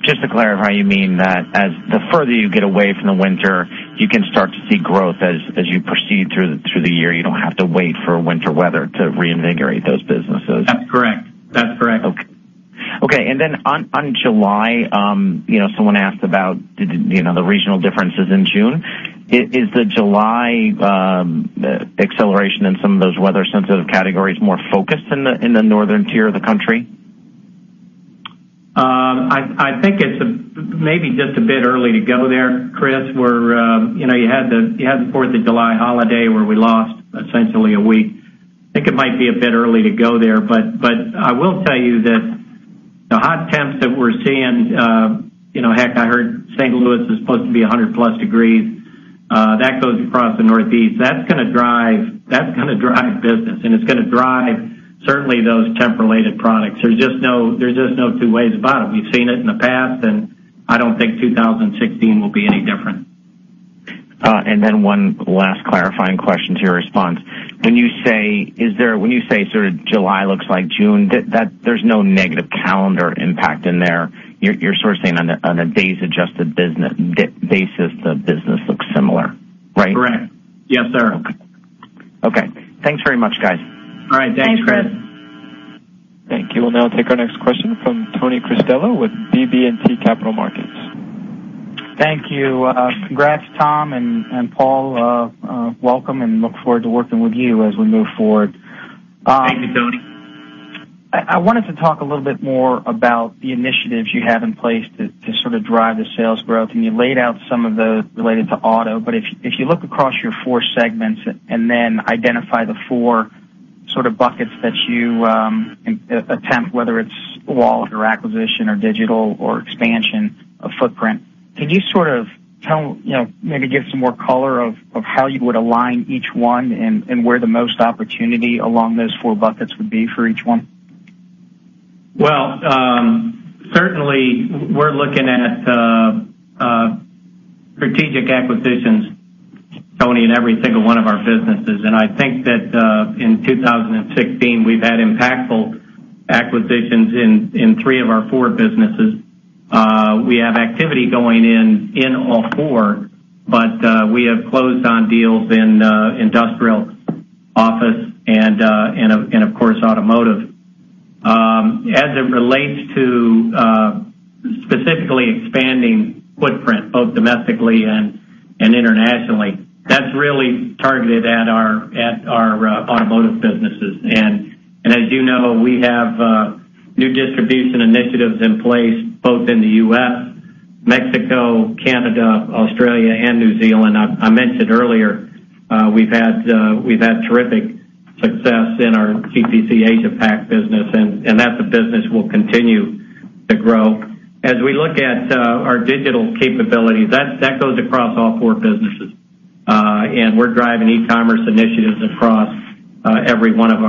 You mean that as the further you get away from the winter, you can start to see growth as you proceed through the year. You don't have to wait for winter weather to reinvigorate those businesses. That's correct. Then on July, someone asked about the regional differences in June. Is the July acceleration in some of those weather sensitive categories more focused in the northern tier of the country? I think it's maybe just a bit early to go there, Chris, where you had the Fourth of July holiday where we lost essentially a week. I think it might be a bit early to go there. I will tell you that the hot temps that we're seeing, heck, I heard St. Louis is supposed to be 100 plus degrees. That goes across the Northeast. That's gonna drive business, and it's gonna drive certainly those temp related products. There's just no two ways about it. We've seen it in the past, and I don't think 2016 will be any different. Then one last clarifying question to your response. When you say sort of July looks like June, there's no negative calendar impact in there. You're sort of saying on a days adjusted basis, the business looks similar, right? Correct. Yes, sir. Okay. Thanks very much, guys. All right. Thanks. Thanks, Chris. Thank you. We'll now take our next question from Tony Cristello with BB&T Capital Markets. Thank you. Congrats, Tom and Paul. Welcome, and look forward to working with you as we move forward. Thank you, Tony. I wanted to talk a little bit more about the initiatives you have in place to sort of drive the sales growth, and you laid out some of those related to auto. If you look across your four segments and then identify the four sort of buckets that you attempt, whether it's wallet or acquisition or digital or expansion of footprint, can you sort of maybe give some more color of how you would align each one and where the most opportunity along those four buckets would be for each one? Well, certainly we're looking at strategic acquisitions, Tony, in every single one of our businesses. I think that in 2016, we've had impactful acquisitions in three of our four businesses. We have activity going in all four, but we have closed on deals in industrial, office, and of course, automotive. As it relates to specifically expanding footprint both domestically and internationally, that's really targeted at our automotive businesses. As you know, we have new distribution initiatives in place both in the U.S., Mexico, Canada, Australia, and New Zealand. I mentioned earlier, we've had terrific success in our GPC Asia-Pac business, and that's a business we'll continue to grow. As we look at our digital capabilities, that goes across all four businesses. We're driving e-commerce initiatives across every one of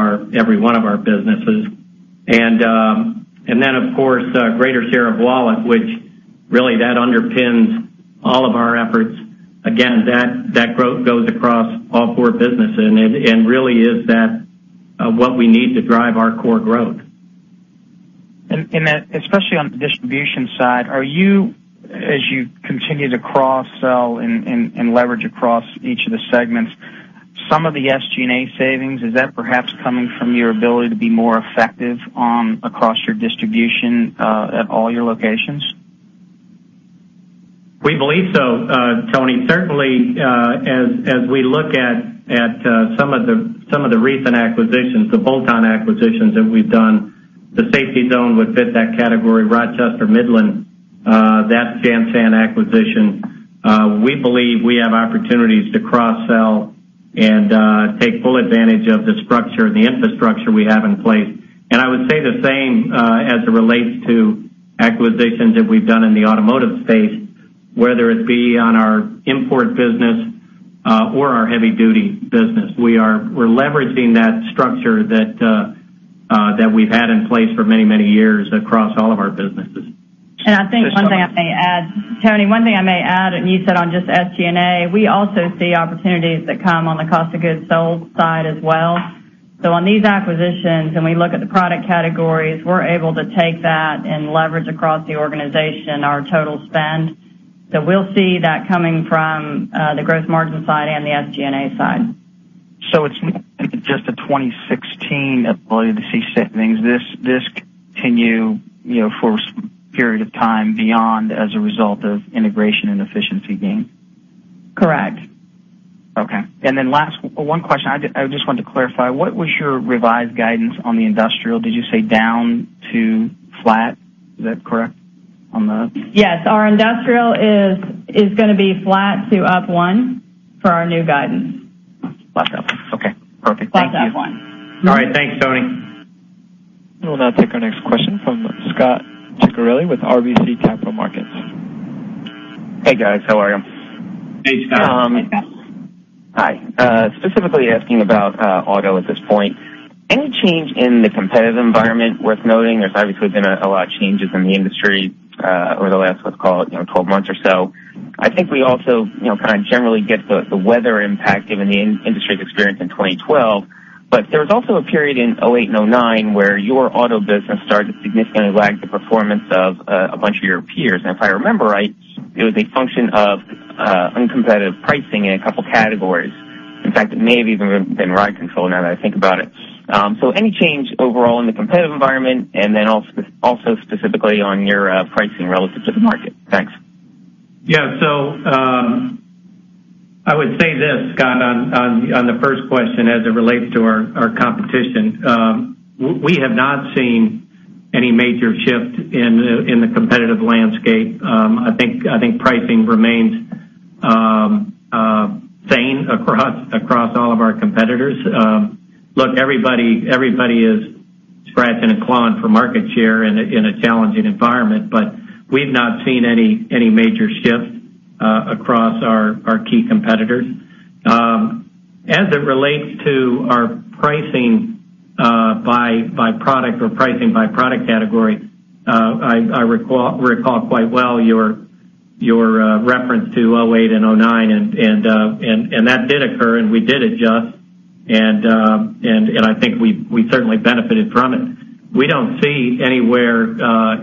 our businesses. Of course, a greater share of wallet, which really underpins all of our efforts. Again, that growth goes across all four businesses and really is what we need to drive our core growth. Especially on the distribution side, as you continue to cross-sell and leverage across each of the segments, some of the SG&A savings, is that perhaps coming from your ability to be more effective across your distribution at all your locations? We believe so, Tony. Certainly, as we look at some of the recent acquisitions, the bolt-on acquisitions that we've done, The Safety Zone would fit that category. Rochester Midland, that's JanSan acquisition. We believe we have opportunities to cross-sell and take full advantage of the structure and the infrastructure we have in place. I would say the same as it relates to acquisitions that we've done in the automotive space, whether it be on our import business or our heavy-duty business. We're leveraging that structure that we've had in place for many, many years across all of our businesses. I think one thing I may add, Tony, and you said on just SG&A, we also see opportunities that come on the cost of goods sold side as well. On these acquisitions, and we look at the product categories, we're able to take that and leverage across the organization our total spend. We'll see that coming from the gross margin side and the SG&A side. It's not just a 2016 ability to see savings. This continue for a period of time beyond as a result of integration and efficiency gain? Correct. Okay. Last one question. I just wanted to clarify, what was your revised guidance on the industrial? Did you say down to flat? Is that correct? Yes. Our industrial is going to be flat to up one for our new guidance. Flat to up. Okay, perfect. Thank you. Flat to up one. All right. Thanks, Tony. We'll now take our next question from Scot Ciccarelli with RBC Capital Markets. Hey, guys. How are you? Hey, Scot. Hi. Specifically asking about auto at this point. Any change in the competitive environment worth noting? There's obviously been a lot of changes in the industry over the last, let's call it, 12 months or so. I think we also kind of generally get the weather impact given the industry's experience in 2012. There was also a period in 2008 and 2009 where your auto business started to significantly lag the performance of a bunch of your peers. If I remember right, it was a function of uncompetitive pricing in a couple of categories. In fact, it may have even been ride control now that I think about it. Any change overall in the competitive environment, and then also specifically on your pricing relative to the market? Thanks. Yeah. I would say this, Scot, on the first question as it relates to our competition. We have not seen any major shift in the competitive landscape. I think pricing remains sane across all of our competitors. Look, everybody is scratching and clawing for market share in a challenging environment, but we've not seen any major shift across our key competitors. As it relates to our pricing By product or pricing by product category. I recall quite well your reference to 2008 and 2009, and that did occur, and we did adjust. I think we certainly benefited from it. We don't see anywhere,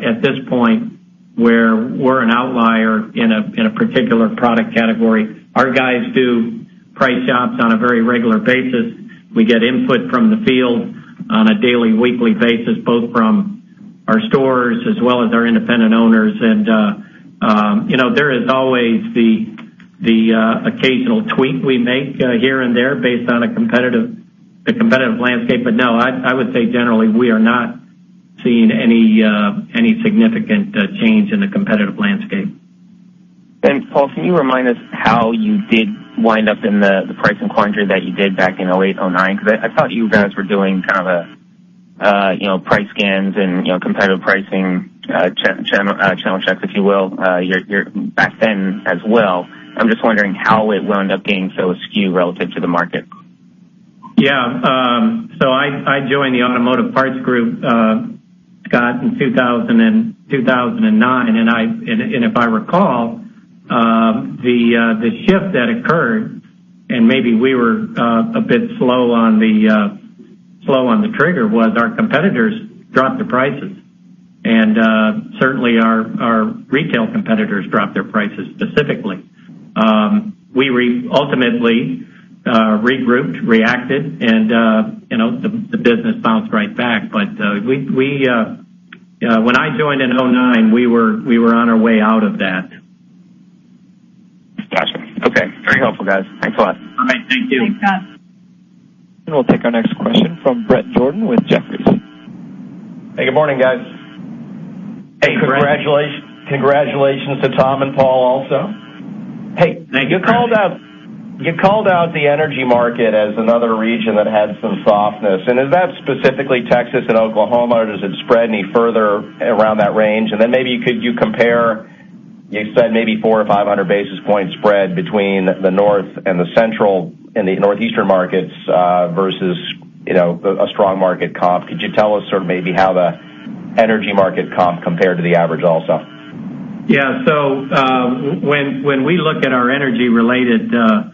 at this point, where we're an outlier in a particular product category. Our guys do price shops on a very regular basis. We get input from the field on a daily and weekly basis, both from our stores as well as our independent owners. There is always the occasional tweak we make here and there based on a competitive landscape. No, I would say generally, we are not seeing any significant change in the competitive landscape. Paul, can you remind us how you did wind up in the pricing quandary that you did back in 2008, 2009? I thought you guys were doing kind of price scans and competitive pricing channel checks, if you will, back then as well. I am just wondering how it wound up being so askew relative to the market. I joined the automotive parts group, Scot, in 2009. If I recall, the shift that occurred, and maybe we were a bit slow on the trigger, was our competitors dropped their prices. Certainly our retail competitors dropped their prices specifically. We ultimately regrouped, reacted, and the business bounced right back. When I joined in 2009, we were on our way out of that. Got you. Okay. Very helpful, guys. Thanks a lot. All right. Thank you. Thanks, Scot. We'll take our next question from Bret Jordan with Jefferies. Hey, good morning, guys. Hey, Bret. Hey, congratulations to Tom and Paul also. Hey. Thank you. Thank you. You called out the energy market as another region that had some softness. Is that specifically Texas and Oklahoma, or does it spread any further around that range? Then maybe could you compare, you said maybe 400 or 500 basis point spread between the north and the central and the northeastern markets versus a strong market comp. Could you tell us sort of maybe how the energy market comp compared to the average also? Yeah. When we look at our energy-related markets,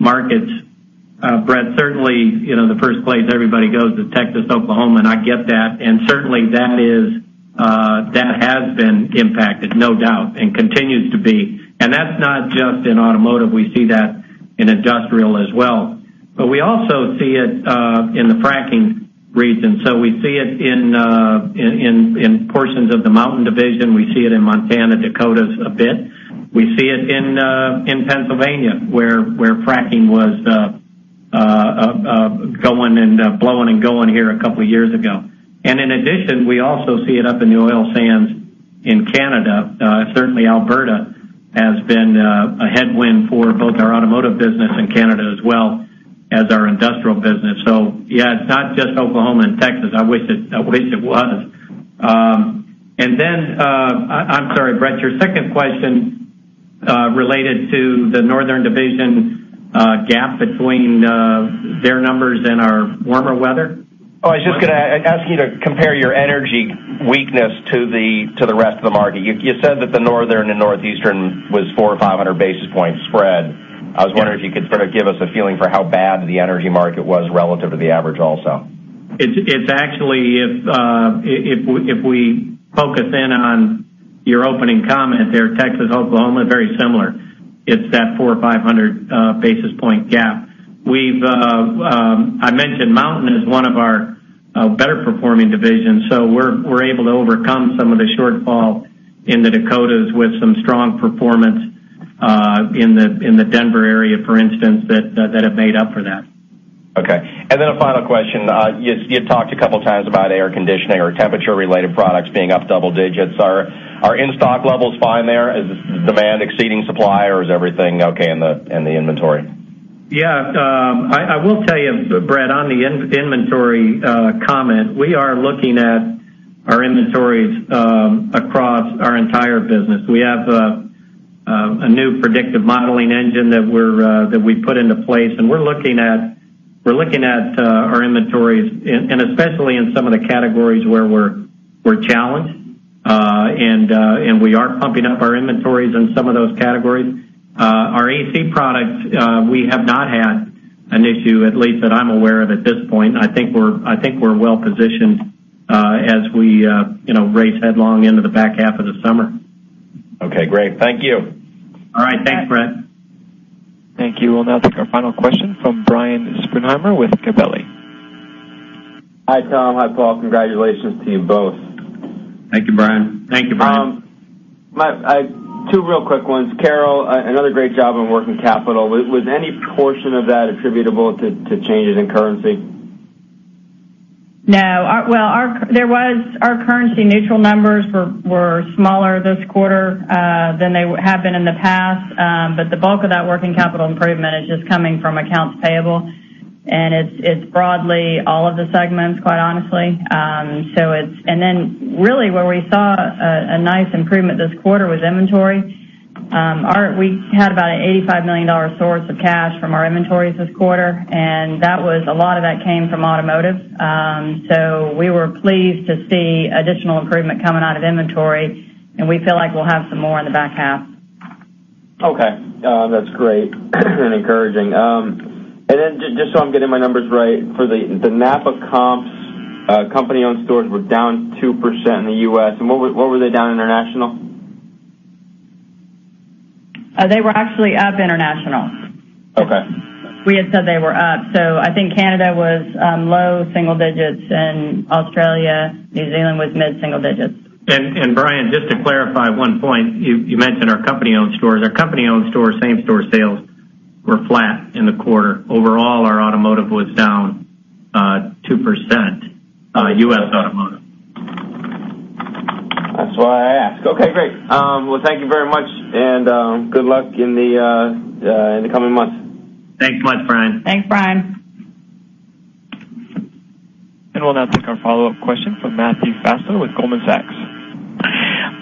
Bret, certainly, the first place everybody goes is Texas, Oklahoma, and I get that. Certainly, that has been impacted, no doubt, and continues to be. That's not just in automotive, we see that in industrial as well. We also see it in the fracking regions. We see it in portions of the mountain division. We see it in Montana, Dakotas a bit. We see it in Pennsylvania, where fracking was blowing and going here a couple of years ago. In addition, we also see it up in the oil sands in Canada. Certainly, Alberta has been a headwind for both our automotive business in Canada, as well as our industrial business. Yeah, it's not just Oklahoma and Texas. I wish it was. Then, I'm sorry, Bret, your second question related to the northern division gap between their numbers and our warmer weather? Oh, I was just going to ask you to compare your energy weakness to the rest of the market. You said that the northern and northeastern was 400 or 500 basis points spread. Yeah. I was wondering if you could sort of give us a feeling for how bad the energy market was relative to the average also. It's actually, if we focus in on your opening comment there, Texas, Oklahoma, very similar. It's that four or 500 basis point gap. I mentioned mountain is one of our better performing divisions, so we're able to overcome some of the shortfall in the Dakotas with some strong performance in the Denver area, for instance, that have made up for that. Okay. A final question. You talked a couple of times about air conditioning or temperature-related products being up double digits. Are in-stock levels fine there? Is demand exceeding supply, or is everything okay in the inventory? Yeah. I will tell you, Bret, on the inventory comment, we are looking at our inventories across our entire business. We have a new predictive modeling engine that we've put into place, and we're looking at our inventories, and especially in some of the categories where we're challenged. We are pumping up our inventories in some of those categories. Our AC products, we have not had an issue, at least that I'm aware of at this point. I think we're well-positioned as we race headlong into the back half of the summer. Okay, great. Thank you. All right. Thanks, Bret. Thank you. We'll now take our final question from Brian Schueneman with Gabelli. Hi, Tom. Hi, Paul. Congratulations to you both. Thank you, Brian. Thank you, Brian. Two real quick ones. Carol, another great job on working capital. Was any portion of that attributable to changes in currency? No. Well, our currency neutral numbers were smaller this quarter than they have been in the past. The bulk of that working capital improvement is just coming from accounts payable, and it's broadly all of the segments, quite honestly. Really where we saw a nice improvement this quarter was inventory. We had about an $85 million source of cash from our inventories this quarter, and a lot of that came from automotive. We were pleased to see additional improvement coming out of inventory, and we feel like we'll have some more in the back half. Okay. That's great and encouraging. Just so I'm getting my numbers right, for the NAPA comps, company-owned stores were down 2% in the U.S. What were they down international? They were actually up international. Okay. We had said they were up. I think Canada was low single digits, and Australia, New Zealand was mid-single digits. Brian, just to clarify one point. You mentioned our company-owned stores. Our company-owned stores' same-store sales were flat in the quarter. Overall, our automotive was down 2%, U.S. automotive. That's why I asked. Okay, great. Well, thank you very much, and good luck in the coming months. Thanks much, Brian. Thanks, Brian. We'll now take our follow-up question from Matthew Fassler with Goldman Sachs.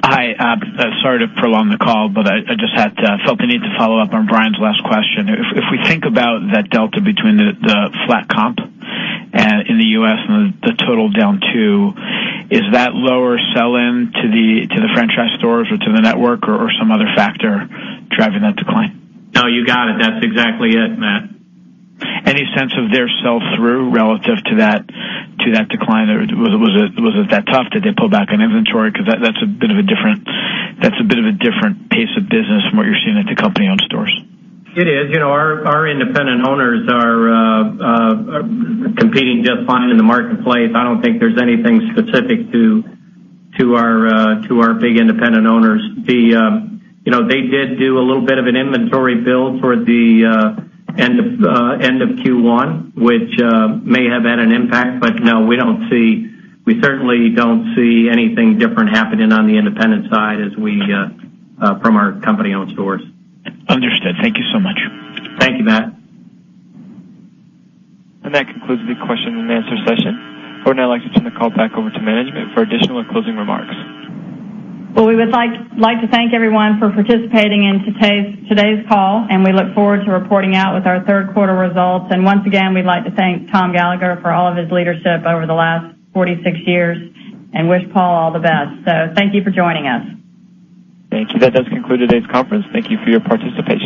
Hi. Sorry to prolong the call, but I just felt the need to follow up on Brian's last question. If we think about that delta between the flat comp in the U.S. and the total down 2%, is that lower sell-in to the franchise stores or to the network or some other factor driving that decline? No, you got it. That's exactly it, Matt. Any sense of their sell-through relative to that decline? Was it that tough? Did they pull back on inventory? That's a bit of a different pace of business from what you're seeing at the company-owned stores. It is. Our independent owners are competing just fine in the marketplace. I don't think there's anything specific to our big independent owners. They did do a little bit of an inventory build for the end of Q1, which may have had an impact. No, we certainly don't see anything different happening on the independent side from our company-owned stores. Understood. Thank you so much. Thank you, Matt. That concludes the question and answer session. I would now like to turn the call back over to management for additional and closing remarks. Well, we would like to thank everyone for participating in today's call, and we look forward to reporting out with our third quarter results. Once again, we'd like to thank Tom Gallagher for all of his leadership over the last 46 years and wish Paul all the best. Thank you for joining us. Thank you. That does conclude today's conference. Thank you for your participation.